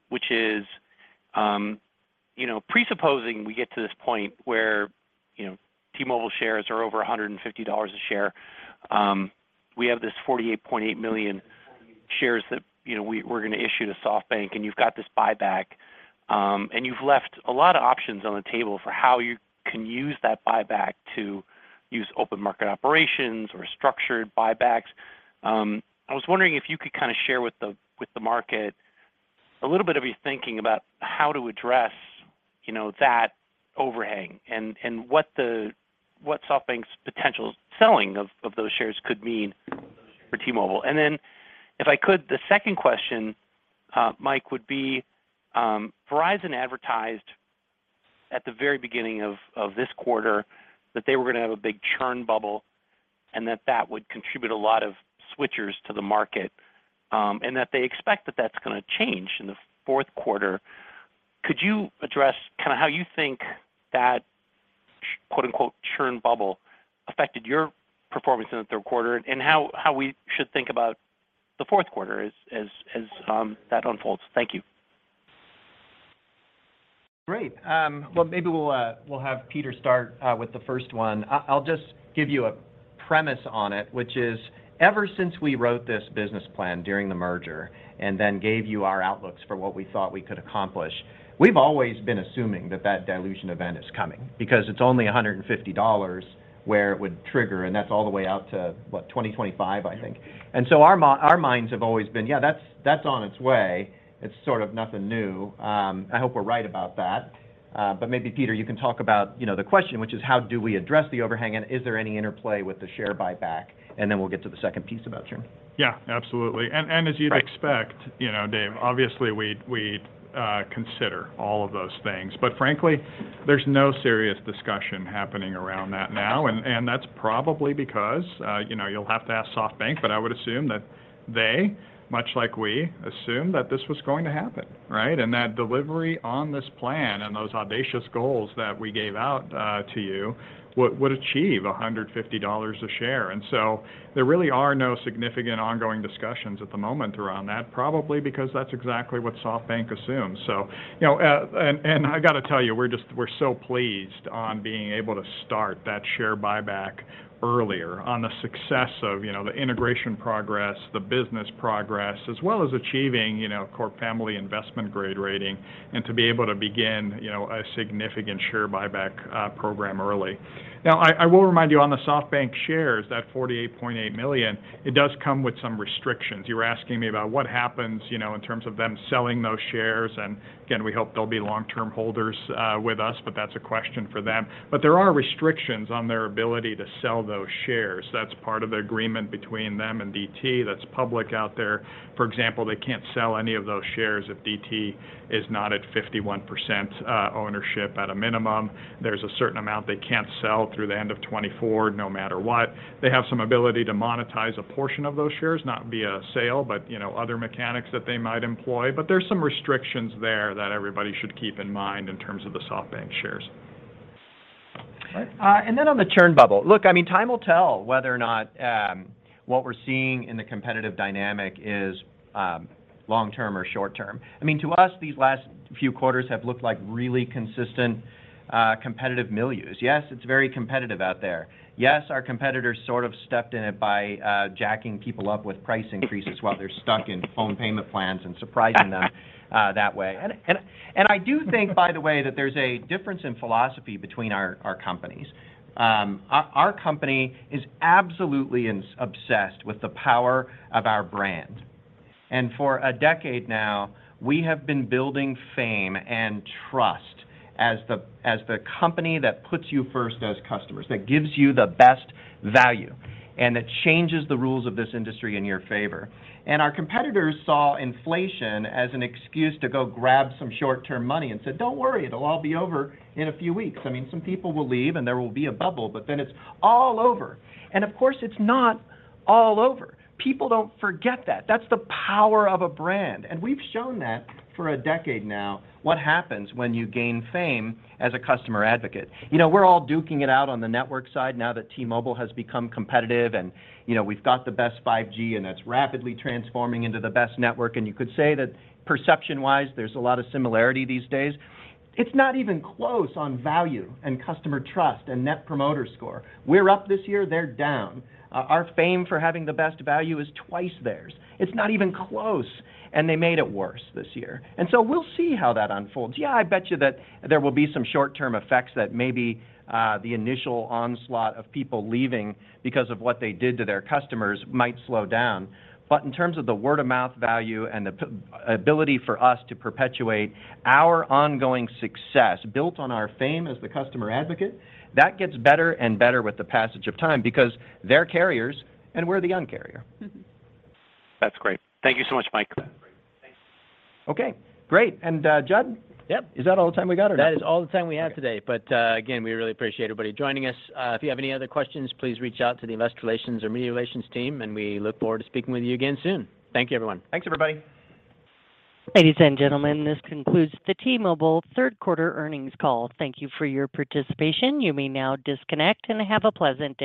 which is, you know, presupposing we get to this point where, you know, T-Mobile shares are over $150 a share, we have this 48.8 million shares that, you know, we're gonna issue to SoftBank, and you've got this buyback, and you've left a lot of options on the table for how you can use that buyback to use open market operations or structured buybacks. I was wondering if you could kind of share with the market a little bit of your thinking about how to address, you know, that overhang and what SoftBank's potential selling of those shares could mean for T-Mobile. If I could, the second question, Mike, would be, Verizon advertised at the very beginning of this quarter that they were gonna have a big churn bubble and that would contribute a lot of switchers to the market, and that they expect that that's gonna change in the fourth quarter. Could you address kind of how you think that quote unquote churn bubble affected your performance in the third quarter and how we should think about the fourth quarter as that unfolds? Thank you. Great. Well, maybe we'll have Peter start with the first one. I'll just give you a premise on it, which is ever since we wrote this business plan during the merger and then gave you our outlooks for what we thought we could accomplish, we've always been assuming that that dilution event is coming because it's only $150 where it would trigger, and that's all the way out to, what? 2025, I think. Our minds have always been, yeah, that's on its way. It's sort of nothing new. I hope we're right about that. Maybe Peter, you can talk about, you know, the question, which is how do we address the overhang and is there any interplay with the share buyback? Then we'll get to the second piece about churn. Yeah, absolutely. As you'd expect, you know, Dave, obviously we'd consider all of those things, but frankly, there's no serious discussion happening around that now. That's probably because, you know, you'll have to ask SoftBank, but I would assume that they, much like we, assumed that this was going to happen, right? That delivery on this plan and those audacious goals that we gave out to you would achieve $150 a share. There really are no significant ongoing discussions at the moment around that, probably because that's exactly what SoftBank assumes. You know, I gotta tell you, we're so pleased with being able to start that share buyback earlier on the success of, you know, the integration progress, the business progress, as well as achieving, you know, our investment-grade rating and to be able to begin, you know, a significant share buyback program early. I will remind you on the SoftBank shares, that 48.8 million, it does come with some restrictions. You were asking me about what happens, you know, in terms of them selling those shares, and again, we hope they'll be long-term holders with us, but that's a question for them. There are restrictions on their ability to sell those shares. That's part of the agreement between them and DT that's public out there. For example, they can't sell any of those shares if DT is not at 51% ownership at a minimum. There's a certain amount they can't sell through the end of 2024 no matter what. They have some ability to monetize a portion of those shares, not via sale, but you know, other mechanics that they might employ. But there's some restrictions there that everybody should keep in mind in terms of the SoftBank shares. On the churn bubble. Look, I mean, time will tell whether or not what we're seeing in the competitive dynamic is long term or short term. I mean, to us, these last few quarters have looked like really consistent competitive milieus. Yes, it's very competitive out there. Yes, our competitors sort of stepped in it by jacking people up with price increases while they're stuck in phone payment plans and surprising them that way. I do think, by the way, that there's a difference in philosophy between our companies. Our company is absolutely obsessed with the power of our brand. For a decade now, we have been building fame and trust as the company that puts you first as customers, that gives you the best value, and that changes the rules of this industry in your favor. Our competitors saw inflation as an excuse to go grab some short-term money and said, "Don't worry, it'll all be over in a few weeks. I mean, some people will leave, and there will be a bubble, but then it's all over." Of course, it's not all over. People don't forget that. That's the power of a brand. We've shown that for a decade now, what happens when you gain fame as a customer advocate. You know, we're all duking it out on the network side now that T-Mobile has become competitive, and, you know, we've got the best 5G, and that's rapidly transforming into the best network. You could say that perception-wise, there's a lot of similarity these days. It's not even close on value and customer trust and Net Promoter Score. We're up this year, they're down. Our fame for having the best value is twice theirs. It's not even close, and they made it worse this year. We'll see how that unfolds. Yeah, I bet you that there will be some short-term effects that maybe the initial onslaught of people leaving because of what they did to their customers might slow down. In terms of the word-of-mouth value and the probability for us to perpetuate our ongoing success built on our fame as the customer advocate, that gets better and better with the passage of time because they're carriers, and we're the Un-carrier. That's great. Thank you so much, Mike. Okay, great. Judd? Yep. Is that all the time we got or no? That is all the time we have today. Again, we really appreciate everybody joining us. If you have any other questions, please reach out to the Investor Relations or Media Relations team, and we look forward to speaking with you again soon. Thank you, everyone. Thanks, everybody. Ladies and gentlemen, this concludes the T-Mobile third quarter earnings call. Thank you for your participation. You may now disconnect and have a pleasant day.